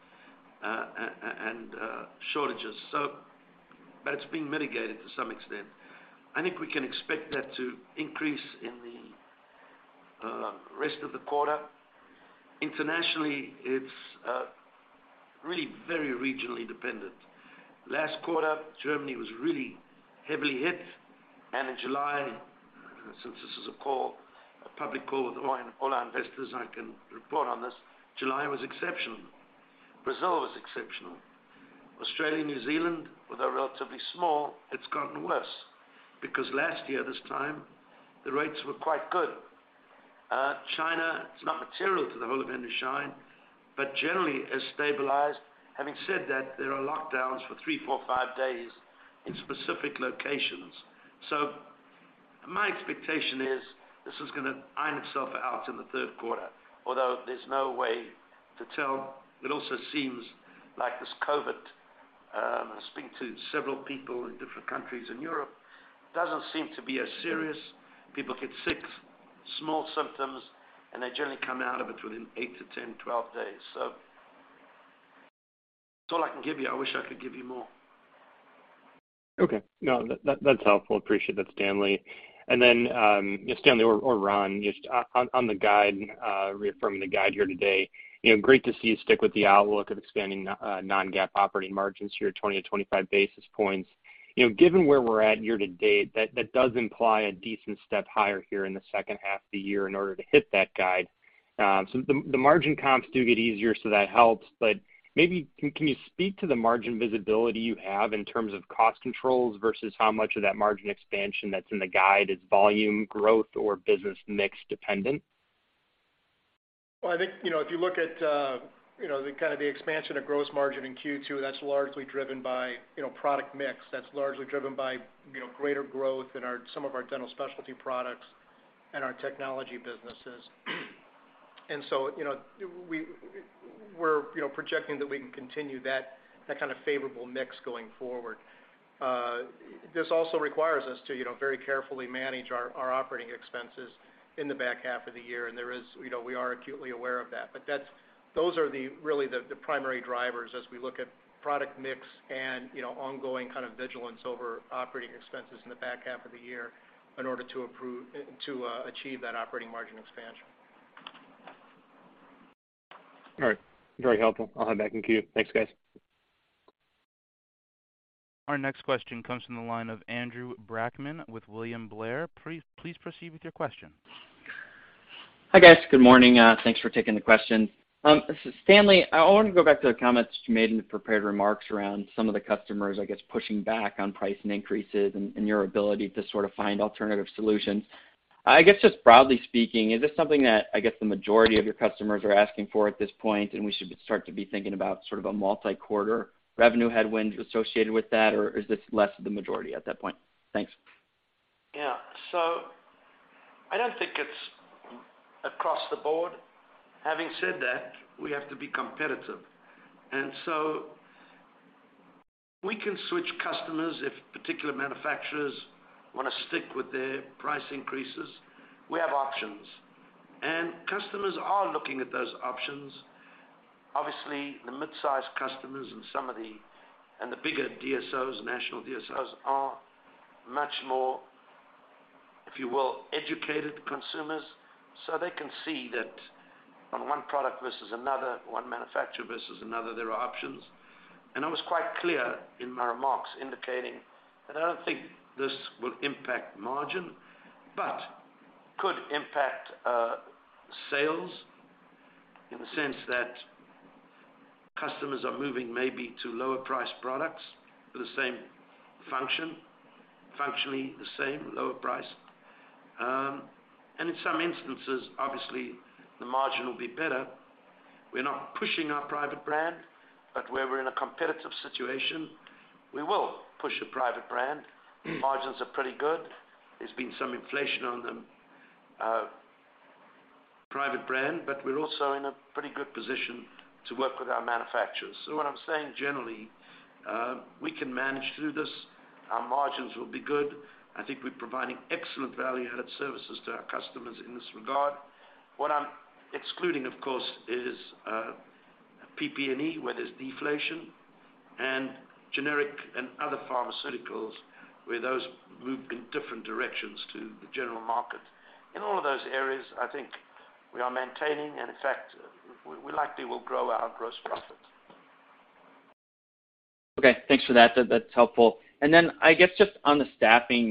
and shortages. But it's been mitigated to some extent. I think we can expect that to increase in the rest of the quarter. Internationally, it's really very regionally dependent. Last quarter, Germany was really heavily hit, and in July, since this is a call, a public call with all our investors, I can report on this, July was exceptional. Brazil was exceptional. Australia, New Zealand, although relatively small, it's gotten worse because last year, this time, the rates were quite good. China, it's not material to the whole of Henry Schein, but generally has stabilized. Having said that, there are lockdowns for three, four, five days in specific locations. My expectation is this is gonna iron itself out in the third quarter, although there's no way to tell. It also seems like this COVID, I speak to several people in different countries in Europe, doesn't seem to be as serious. People get sick, small symptoms, and they generally come out of it within eight to 10, 12 days. That's all I can give you. I wish I could give you more. Okay. No, that's helpful. Appreciate that, Stanley. Stanley or Ron, just on the guide, reaffirming the guide here today, you know, great to see you stick with the outlook of expanding non-GAAP operating margins here 20-25 basis points. You know, given where we're at year-to-date, that does imply a decent step higher here in the second half of the year in order to hit that guide. The margin comps do get easier, so that helps. But maybe you can speak to the margin visibility you have in terms of cost controls versus how much of that margin expansion that's in the guide is volume growth or business mix dependent? Well, I think, you know, if you look at, you know, the expansion of gross margin in Q2, that's largely driven by, you know, product mix. That's largely driven by, you know, greater growth in some of our dental specialty products and our Technology businesses. You know, we're, you know, projecting that we can continue that kind of favorable mix going forward. This also requires us to, you know, very carefully manage our operating expenses in the back half of the year. There is, you know, we are acutely aware of that. That's those are the primary drivers as we look at product mix and, you know, ongoing kind of vigilance over operating expenses in the back half of the year in order to achieve that operating margin expansion. All right. Very helpful. I'll head back in queue. Thanks, guys. Our next question comes from the line of Andrew Brackmann with William Blair. Please proceed with your question. Hi, guys. Good morning. Thanks for taking the questions. Stanley, I wanted to go back to the comments you made in the prepared remarks around some of the customers, I guess, pushing back on price increases and your ability to sort of find alternative solutions. I guess just broadly speaking, is this something that, I guess, the majority of your customers are asking for at this point, and we should start to be thinking about sort of a multi-quarter revenue headwind associated with that? Or is this less the majority at that point? Thanks. Yeah. I don't think it's across the board. Having said that, we have to be competitive, and so we can switch customers if particular manufacturers wanna stick with their price increases. We have options, and customers are looking at those options. Obviously, the mid-size customers and the bigger DSOs, national DSOs are much more, if you will, educated consumers, so they can see that on one product versus another, one manufacturer versus another, there are options. I was quite clear in my remarks indicating that I don't think this will impact margin, but could impact sales in the sense that customers are moving maybe to lower priced products for the same function, functionally the same, lower price. In some instances, obviously, the margin will be better. We're not pushing our private brand, but where we're in a competitive situation, we will push a private brand. Margins are pretty good. There's been some inflation on the private brand, but we're also in a pretty good position to work with our manufacturers. What I'm saying, generally, we can manage through this. Our margins will be good. I think we're providing excellent value-added services to our customers in this regard. What I'm excluding, of course, is PPE, where there's deflation, and generic and other pharmaceuticals, where those move in different directions to the general market. In all of those areas, I think we are maintaining, and in fact, we likely will grow our gross profit. Okay, thanks for that. That’s helpful. Then I guess just on the staffing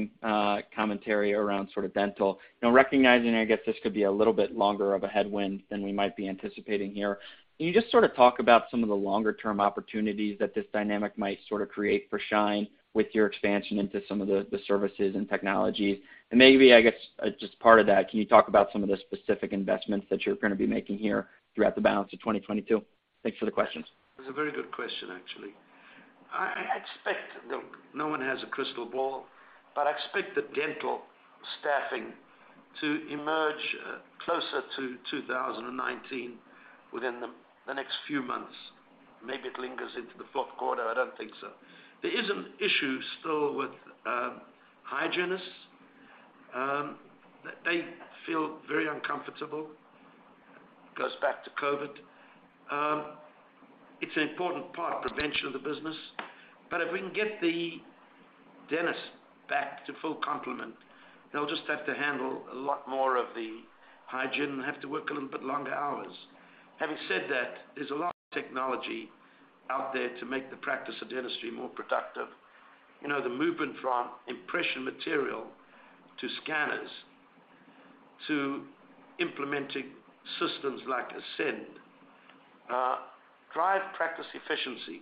commentary around sort of dental, you know, recognizing, I guess, this could be a little bit longer of a headwind than we might be anticipating here. Can you just sort of talk about some of the longer term opportunities that this dynamic might sort of create for Schein with your expansion into some of the services and technologies? Maybe, I guess, just part of that, can you talk about some of the specific investments that you're gonna be making here throughout the balance of 2022? Thanks for the questions. That's a very good question, actually. I expect. Look, no one has a crystal ball, but I expect the dental staffing to emerge closer to 2019 within the next few months. Maybe it lingers into the fourth quarter, I don't think so. There is an issue still with hygienists, they feel very uncomfortable. Goes back to COVID. It's an important part, prevention of the business. But if we can get the dentists back to full complement, they'll just have to handle a lot more of the hygiene and have to work a little bit longer hours. Having said that, there's a lot of technology out there to make the practice of dentistry more productive. You know, the movement from impression material to scanners to implementing systems like Ascend drive practice efficiency.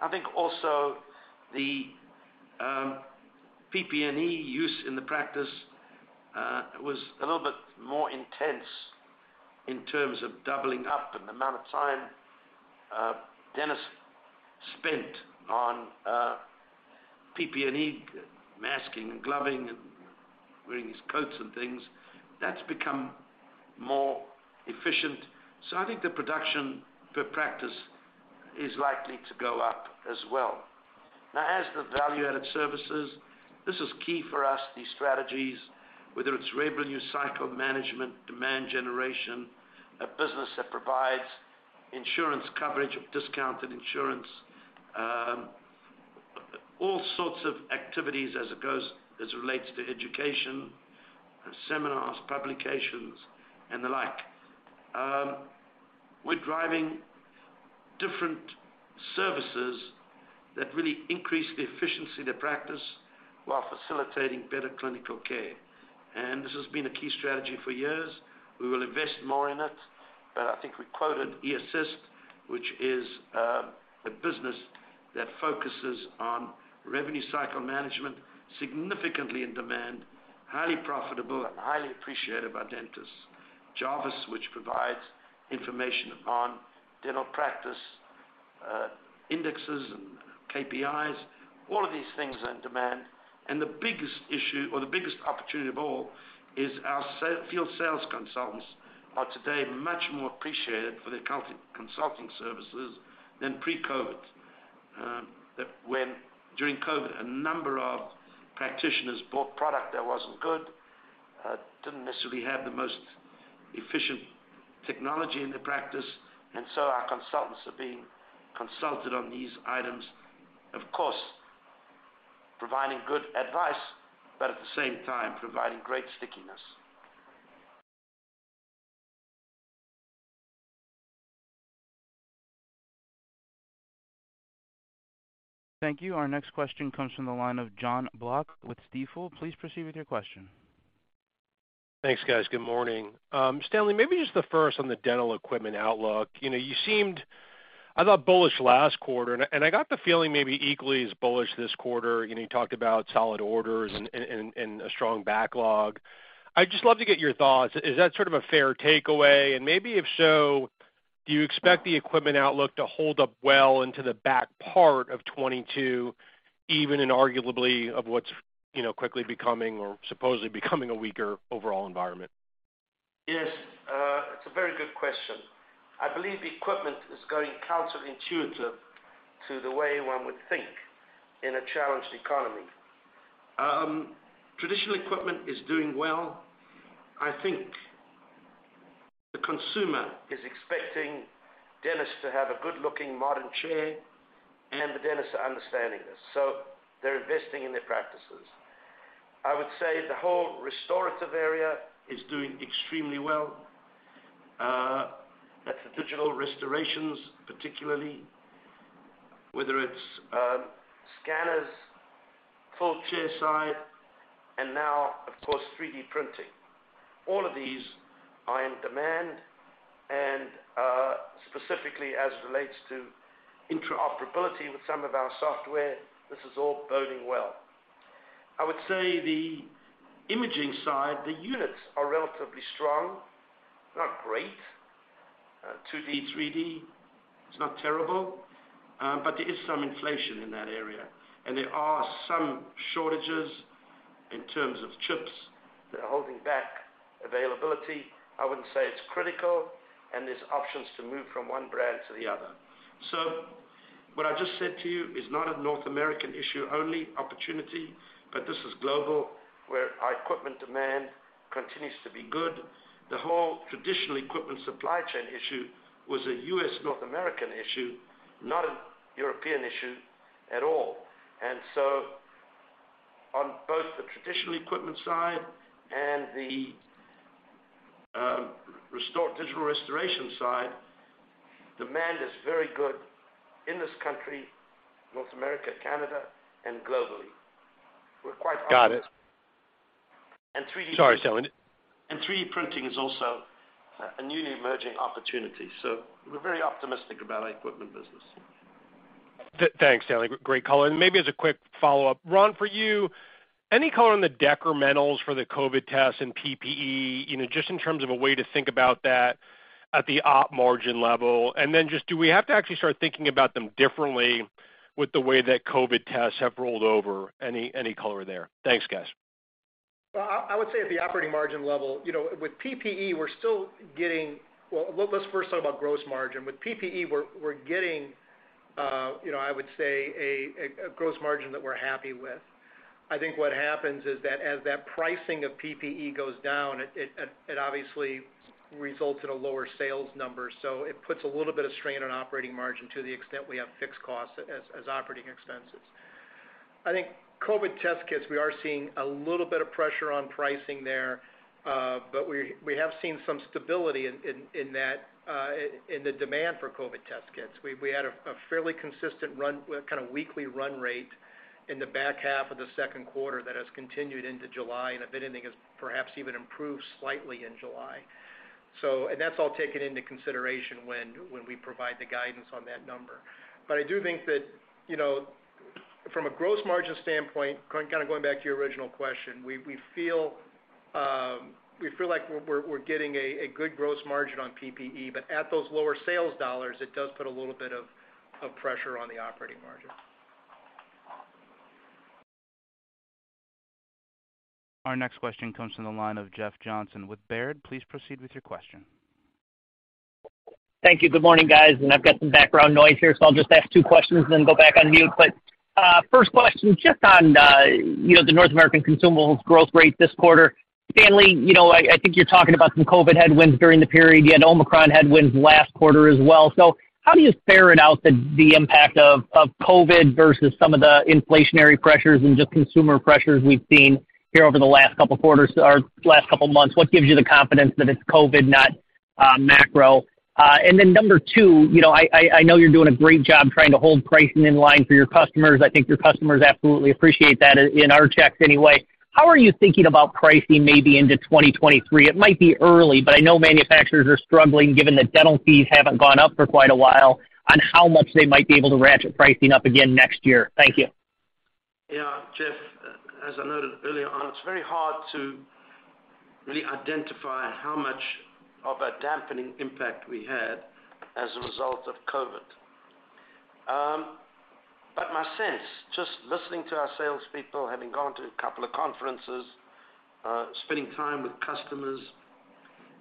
I think also the PPE use in the practice was a little bit more intense in terms of doubling up and the amount of time dentists spent on PPE, masking and gloving and wearing these coats and things, that's become more efficient. I think the production per practice is likely to go up as well. Now as the value-added services, this is key for us, these strategies, whether it's revenue cycle management, demand generation, a business that provides insurance coverage of discounted insurance, all sorts of activities as it goes, as it relates to education, seminars, publications, and the like. We're driving different services that really increase the efficiency of the practice while facilitating better clinical care. This has been a key strategy for years. We will invest more in it, but I think we quoted eAssist, which is a business that focuses on revenue cycle management, significantly in demand, highly profitable, and highly appreciated by dentists. Jarvis, which provides information on dental practice indexes and KPIs, all of these things are in demand. The biggest issue or the biggest opportunity of all is our field sales consultants are today much more appreciated for their consulting services than pre-COVID. That when during COVID, a number of practitioners bought product that wasn't good, didn't necessarily have the most efficient technology in their practice. Our consultants are being consulted on these items, of course, providing good advice, but at the same time, providing great stickiness. Thank you. Our next question comes from the line of Jon Block with Stifel. Please proceed with your question. Thanks, guys. Good morning. Stanley, maybe just the first on the dental equipment outlook. You know, you seemed, I thought, bullish last quarter, and a strong backlog. I'd just love to get your thoughts. Is that sort of a fair takeaway? Maybe, if so, do you expect the equipment outlook to hold up well into the back part of 2022, even in light of what's, you know, quickly becoming or supposedly becoming a weaker overall environment? Yes, it's a very good question. I believe equipment is going counter-intuitive to the way one would think in a challenged economy. Traditional equipment is doing well. I think the consumer is expecting dentists to have a good-looking modern chair, and the dentists are understanding this, so they're investing in their practices. I would say the whole restorative area is doing extremely well. That's the digital restorations, particularly whether it's scanners, full chairside, and now of course, 3D printing. All of these are in demand and, specifically as it relates to interoperability with some of our software, this is all boding well. I would say the imaging side, the units are relatively strong, not great. 2D/3D is not terrible, but there is some inflation in that area, and there are some shortages in terms of chips that are holding back availability. I wouldn't say it's critical, and there's options to move from one brand to the other. What I just said to you is not a North American issue only opportunity, but this is global, where our equipment demand continues to be good. The whole traditional equipment supply chain issue was a U.S. North American issue, not a European issue at all. On both the traditional equipment side and the digital restoration side, demand is very good in this country, North America, Canada, and globally. We're quite. Got it. And 3D- Sorry, Stanley. 3D printing is also a newly emerging opportunity, so we're very optimistic about our equipment business. Thanks, Stanley. Great color. Maybe as a quick follow-up, Ron, for you, any color on the decrementals for the COVID tests and PPE, you know, just in terms of a way to think about that at the op margin level. Then just do we have to actually start thinking about them differently with the way that COVID tests have rolled over? Any color there? Thanks, guys. Well, I would say at the operating margin level, you know, with PPE, we're still getting. Well, let's first talk about gross margin. With PPE, we're getting, you know, I would say a gross margin that we're happy with. I think what happens is that as that pricing of PPE goes down, it obviously results in a lower sales number. It puts a little bit of strain on operating margin to the extent we have fixed costs as operating expenses. I think COVID test kits, we are seeing a little bit of pressure on pricing there, but we have seen some stability in that in the demand for COVID test kits. We had a fairly consistent run rate in the back half of the second quarter that has continued into July, and if anything, has perhaps even improved slightly in July. That's all taken into consideration when we provide the guidance on that number. I do think that, you know, from a gross margin standpoint, kind of going back to your original question, we feel like we're getting a good gross margin on PPE, but at those lower sales dollars, it does put a little bit of pressure on the operating margin. Our next question comes from the line of Jeff Johnson with Baird. Please proceed with your question. Thank you. Good morning, guys. I've got some background noise here, so I'll just ask two questions and then go back on mute. First question, just on, you know, the North American consumables growth rate this quarter. Stanley, you know, I think you're talking about some COVID headwinds during the period. You had Omicron headwinds last quarter as well. How do you ferret out the impact of COVID versus some of the inflationary pressures and just consumer pressures we've seen here over the last couple quarters or last couple months? What gives you the confidence that it's COVID, not macro? Number two, you know, I know you're doing a great job trying to hold pricing in line for your customers. I think your customers absolutely appreciate that, in our checks anyway. How are you thinking about pricing maybe into 2023? It might be early, but I know manufacturers are struggling, given that dental fees haven't gone up for quite a while, on how much they might be able to ratchet pricing up again next year. Thank you. Yeah, Jeff, as I noted earlier on, it's very hard to really identify how much of a dampening impact we had as a result of COVID. My sense, just listening to our salespeople, having gone to a couple of conferences, spending time with customers,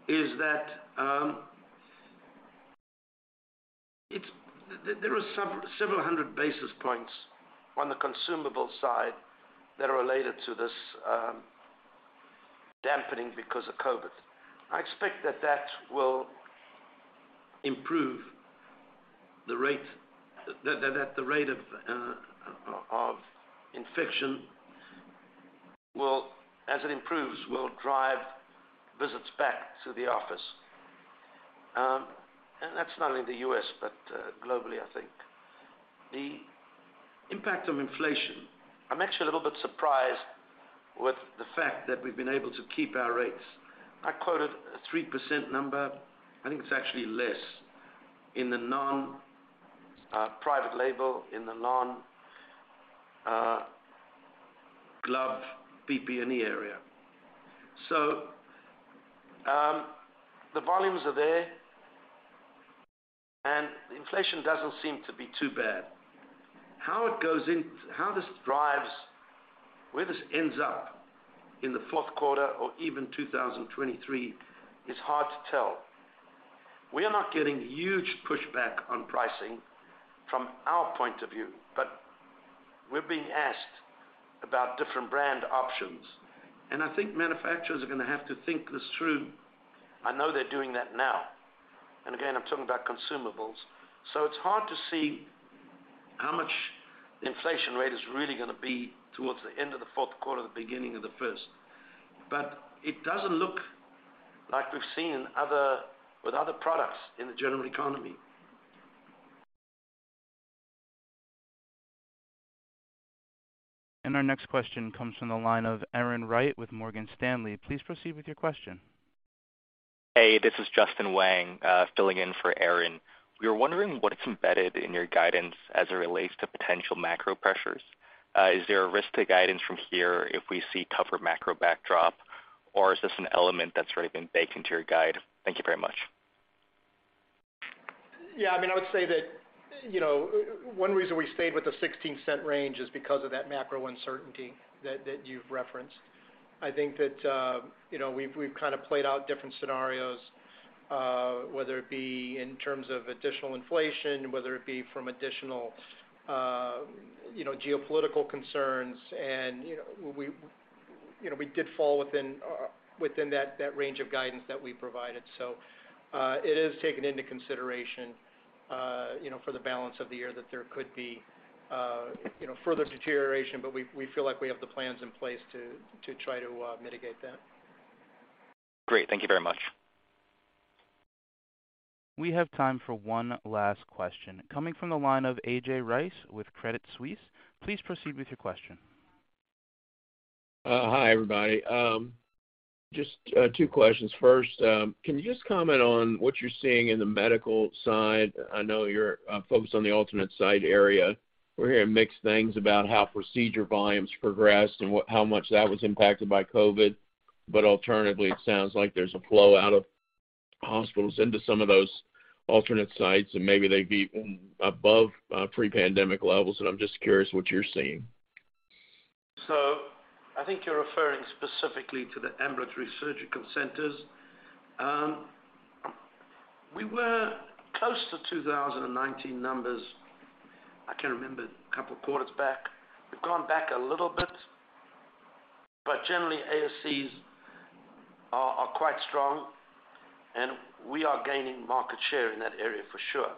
is that there are several hundred basis points on the consumable side that are related to this dampening because of COVID. I expect that the rate of infection will, as it improves, drive visits back to the office. That's not only the U.S., but globally, I think. The impact of inflation, I'm actually a little bit surprised with the fact that we've been able to keep our rates. I quoted a 3% number. I think it's actually less in the non-private label, non-glove PPE area. The volumes are there, and inflation doesn't seem to be too bad. How this drives, where this ends up in the fourth quarter or even 2023 is hard to tell. We are not getting huge pushback on pricing from our point of view, but we're being asked about different brand options, and I think manufacturers are gonna have to think this through. I know they're doing that now. Again, I'm talking about consumables. It's hard to see how much the inflation rate is really gonna be towards the end of the fourth quarter, the beginning of the first. But it doesn't look like we've seen with other products in the general economy. Our next question comes from the line of Erin Wright with Morgan Stanley. Please proceed with your question. Hey, this is Justin Wang, filling in for Erin Wright. We were wondering what is embedded in your guidance as it relates to potential macro pressures. Is there a risk to guidance from here if we see tougher macro backdrop, or is this an element that's already been baked into your guide? Thank you very much. Yeah. I mean, I would say that, you know, one reason we stayed with the $0.16 range is because of that macro uncertainty that you've referenced. I think that, you know, we've kinda played out different scenarios, whether it be in terms of additional inflation, whether it be from additional, you know, geopolitical concerns. You know, we did fall within that range of guidance that we provided. It is taken into consideration, you know, for the balance of the year that there could be, you know, further deterioration, but we feel like we have the plans in place to try to mitigate that. Great. Thank you very much. We have time for one last question coming from the line of A.J. Rice with Credit Suisse. Please proceed with your question. Hi, everybody. Just two questions. First, can you just comment on what you're seeing in the medical side? I know you're focused on the alternate site area. We're hearing mixed things about how procedure volumes progressed and how much that was impacted by COVID. Alternatively, it sounds like there's a flow out of hospitals into some of those alternate sites, and maybe they'd be above pre-pandemic levels. I'm just curious what you're seeing. I think you're referring specifically to the ambulatory surgical centers. We were close to 2019 numbers. I can't remember, a couple of quarters back. We've gone back a little bit, but generally ASCs are quite strong, and we are gaining market share in that area for sure.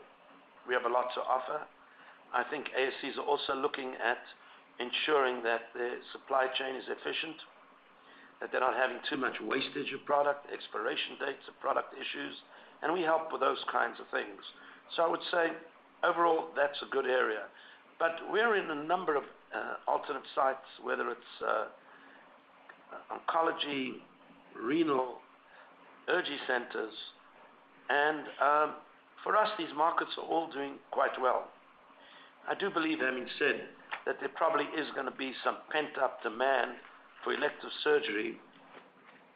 We have a lot to offer. I think ASCs are also looking at ensuring that their supply chain is efficient, that they're not having too much wastage of product, expiration dates of product issues, and we help with those kinds of things. I would say overall, that's a good area. We're in a number of alternate sites, whether it's oncology, renal, urology centers. For us, these markets are all doing quite well. I do believe, having said, that there probably is gonna be some pent-up demand for elective surgery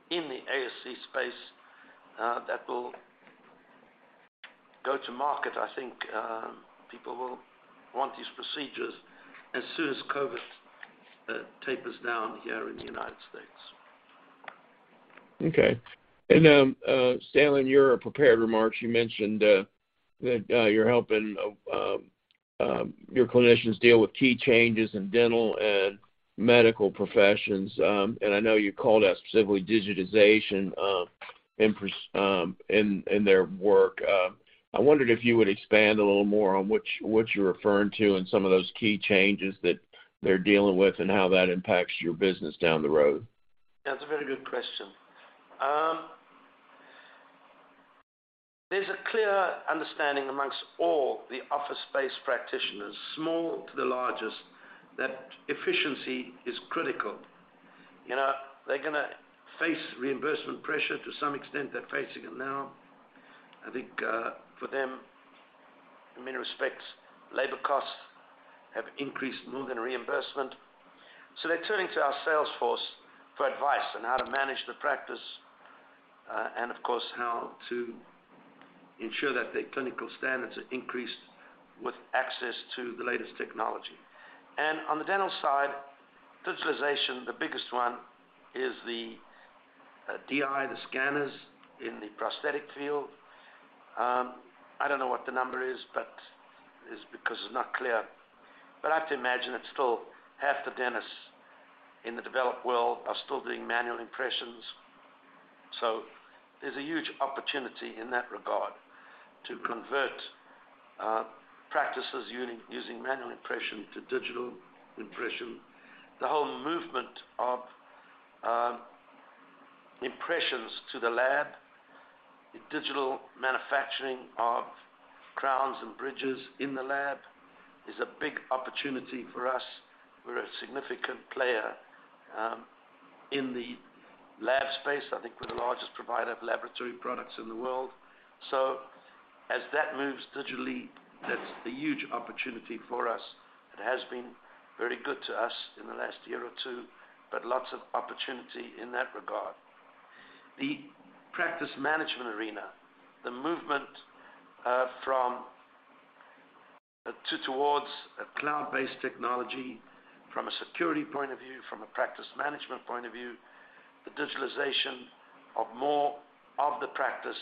in the ASC space, that will go to market. I think, people will want these procedures as soon as COVID, tapers down here in the United States. Okay. Stanley, in your prepared remarks, you mentioned that you're helping your clinicians deal with key changes in dental and medical professions. I know you called out specifically digitization in their work. I wondered if you would expand a little more on which, what you're referring to in some of those key changes that they're dealing with and how that impacts your business down the road. Yeah, it's a very good question. There's a clear understanding among all the office-based practitioners, small to the largest, that efficiency is critical. You know, they're gonna face reimbursement pressure to some extent they're facing it now. I think, for them, in many respects, labor costs have increased more than reimbursement. So they're turning to our sales force for advice on how to manage the practice, and of course, how to ensure that their clinical standards are increased with access to the latest technology. On the dental side, digitalization, the biggest one is the DI, the scanners in the prosthetic field. I don't know what the number is, but it's because it's not clear. I have to imagine it's still half the dentists in the developed world are still doing manual impressions. There's a huge opportunity in that regard to convert practices using manual impression to digital impression. The whole movement of impressions to the lab, the digital manufacturing of crowns and bridges in the lab is a big opportunity for us. We're a significant player in the lab space, I think we're the largest provider of laboratory products in the world. As that moves digitally, that's a huge opportunity for us. It has been very good to us in the last year or two, but lots of opportunity in that regard. In the practice management arena, the movement towards a cloud-based technology from a security point of view, from a practice management point of view, the digitalization of more of the practice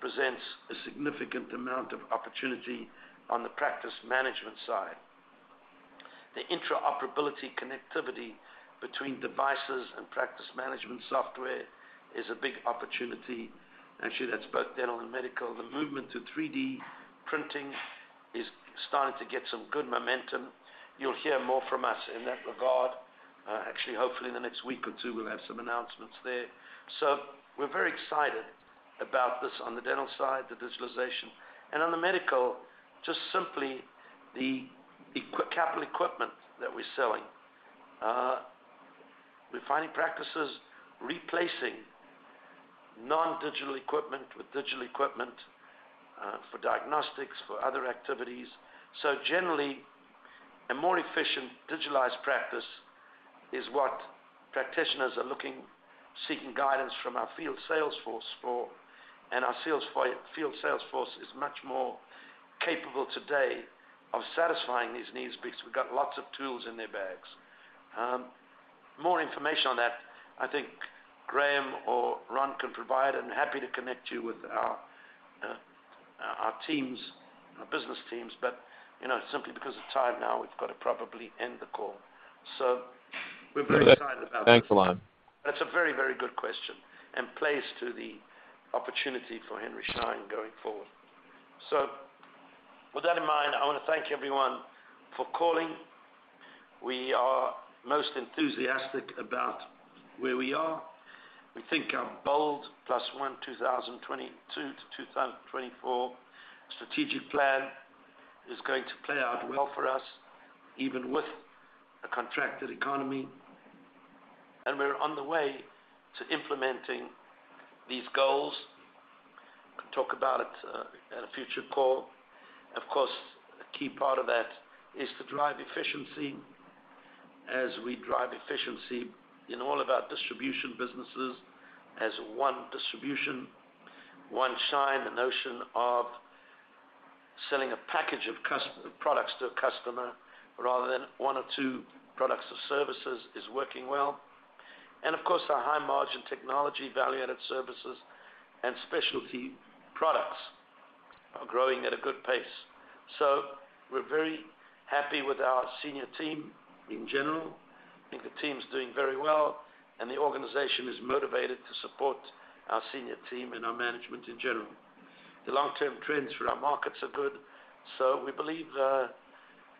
presents a significant amount of opportunity on the practice management side. The interoperability connectivity between devices and practice management software is a big opportunity. Actually, that's both dental and medical. The movement to 3D printing is starting to get some good momentum. You'll hear more from us in that regard. Actually, hopefully in the next week or two, we'll have some announcements there. We're very excited about this on the dental side, the digitalization. On the medical, just simply the capital equipment that we're selling. We're finding practices replacing non-digital equipment with digital equipment, for diagnostics, for other activities. Generally, a more efficient digitalized practice is what practitioners are looking, seeking guidance from our field sales force for. Our sales field sales force is much more capable today of satisfying these needs because we've got lots of tools in their bags. More information on that, I think Graham or Ron can provide, and happy to connect you with our teams, our business teams. You know, simply because of time now, we've got to probably end the call. We're very excited about that. Thanks a lot. That's a very, very good question and plays to the opportunity for Henry Schein going forward. With that in mind, I wanna thank everyone for calling. We are most enthusiastic about where we are. We think our BOLD+1 2022-2024 strategic plan is going to play out well for us, even with a contracted economy. We're on the way to implementing these goals. We can talk about it at a future call. Of course, a key part of that is to drive efficiency. As we drive efficiency in all of our distribution businesses as one distribution, One Schein, the notion of selling a package of customer products to a customer rather than one or two products or services is working well. Of course, our high-margin technology, value-added services, and specialty products are growing at a good pace. We're very happy with our senior team in general. I think the team's doing very well, and the organization is motivated to support our senior team and our management in general. The long-term trends for our markets are good, so we believe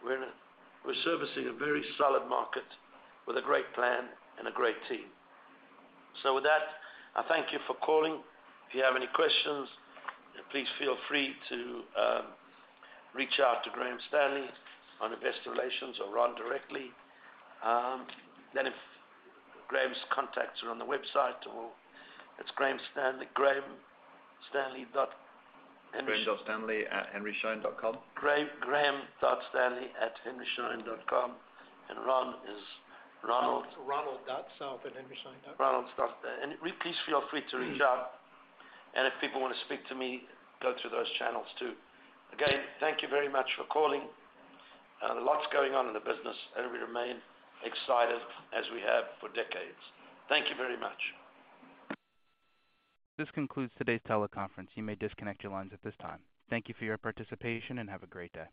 we're servicing a very solid market with a great plan and a great team. With that, I thank you for calling. If you have any questions, please feel free to reach out to Graham Stanley on Investor Relations or Ron directly. If Graham's contacts are on the website or it's Graham Stanley, Grahamstanley.henry- Graham.stanley@henryschein.com. Graham.stanley@henryschein.com. Ron is Ronald. Ronald.south@henryschein.com. Please feel free to reach out. If people wanna speak to me, go through those channels too. Again, thank you very much for calling. Lots going on in the business, and we remain excited as we have for decades. Thank you very much. This concludes today's teleconference. You may disconnect your lines at this time. Thank you for your participation, and have a great day.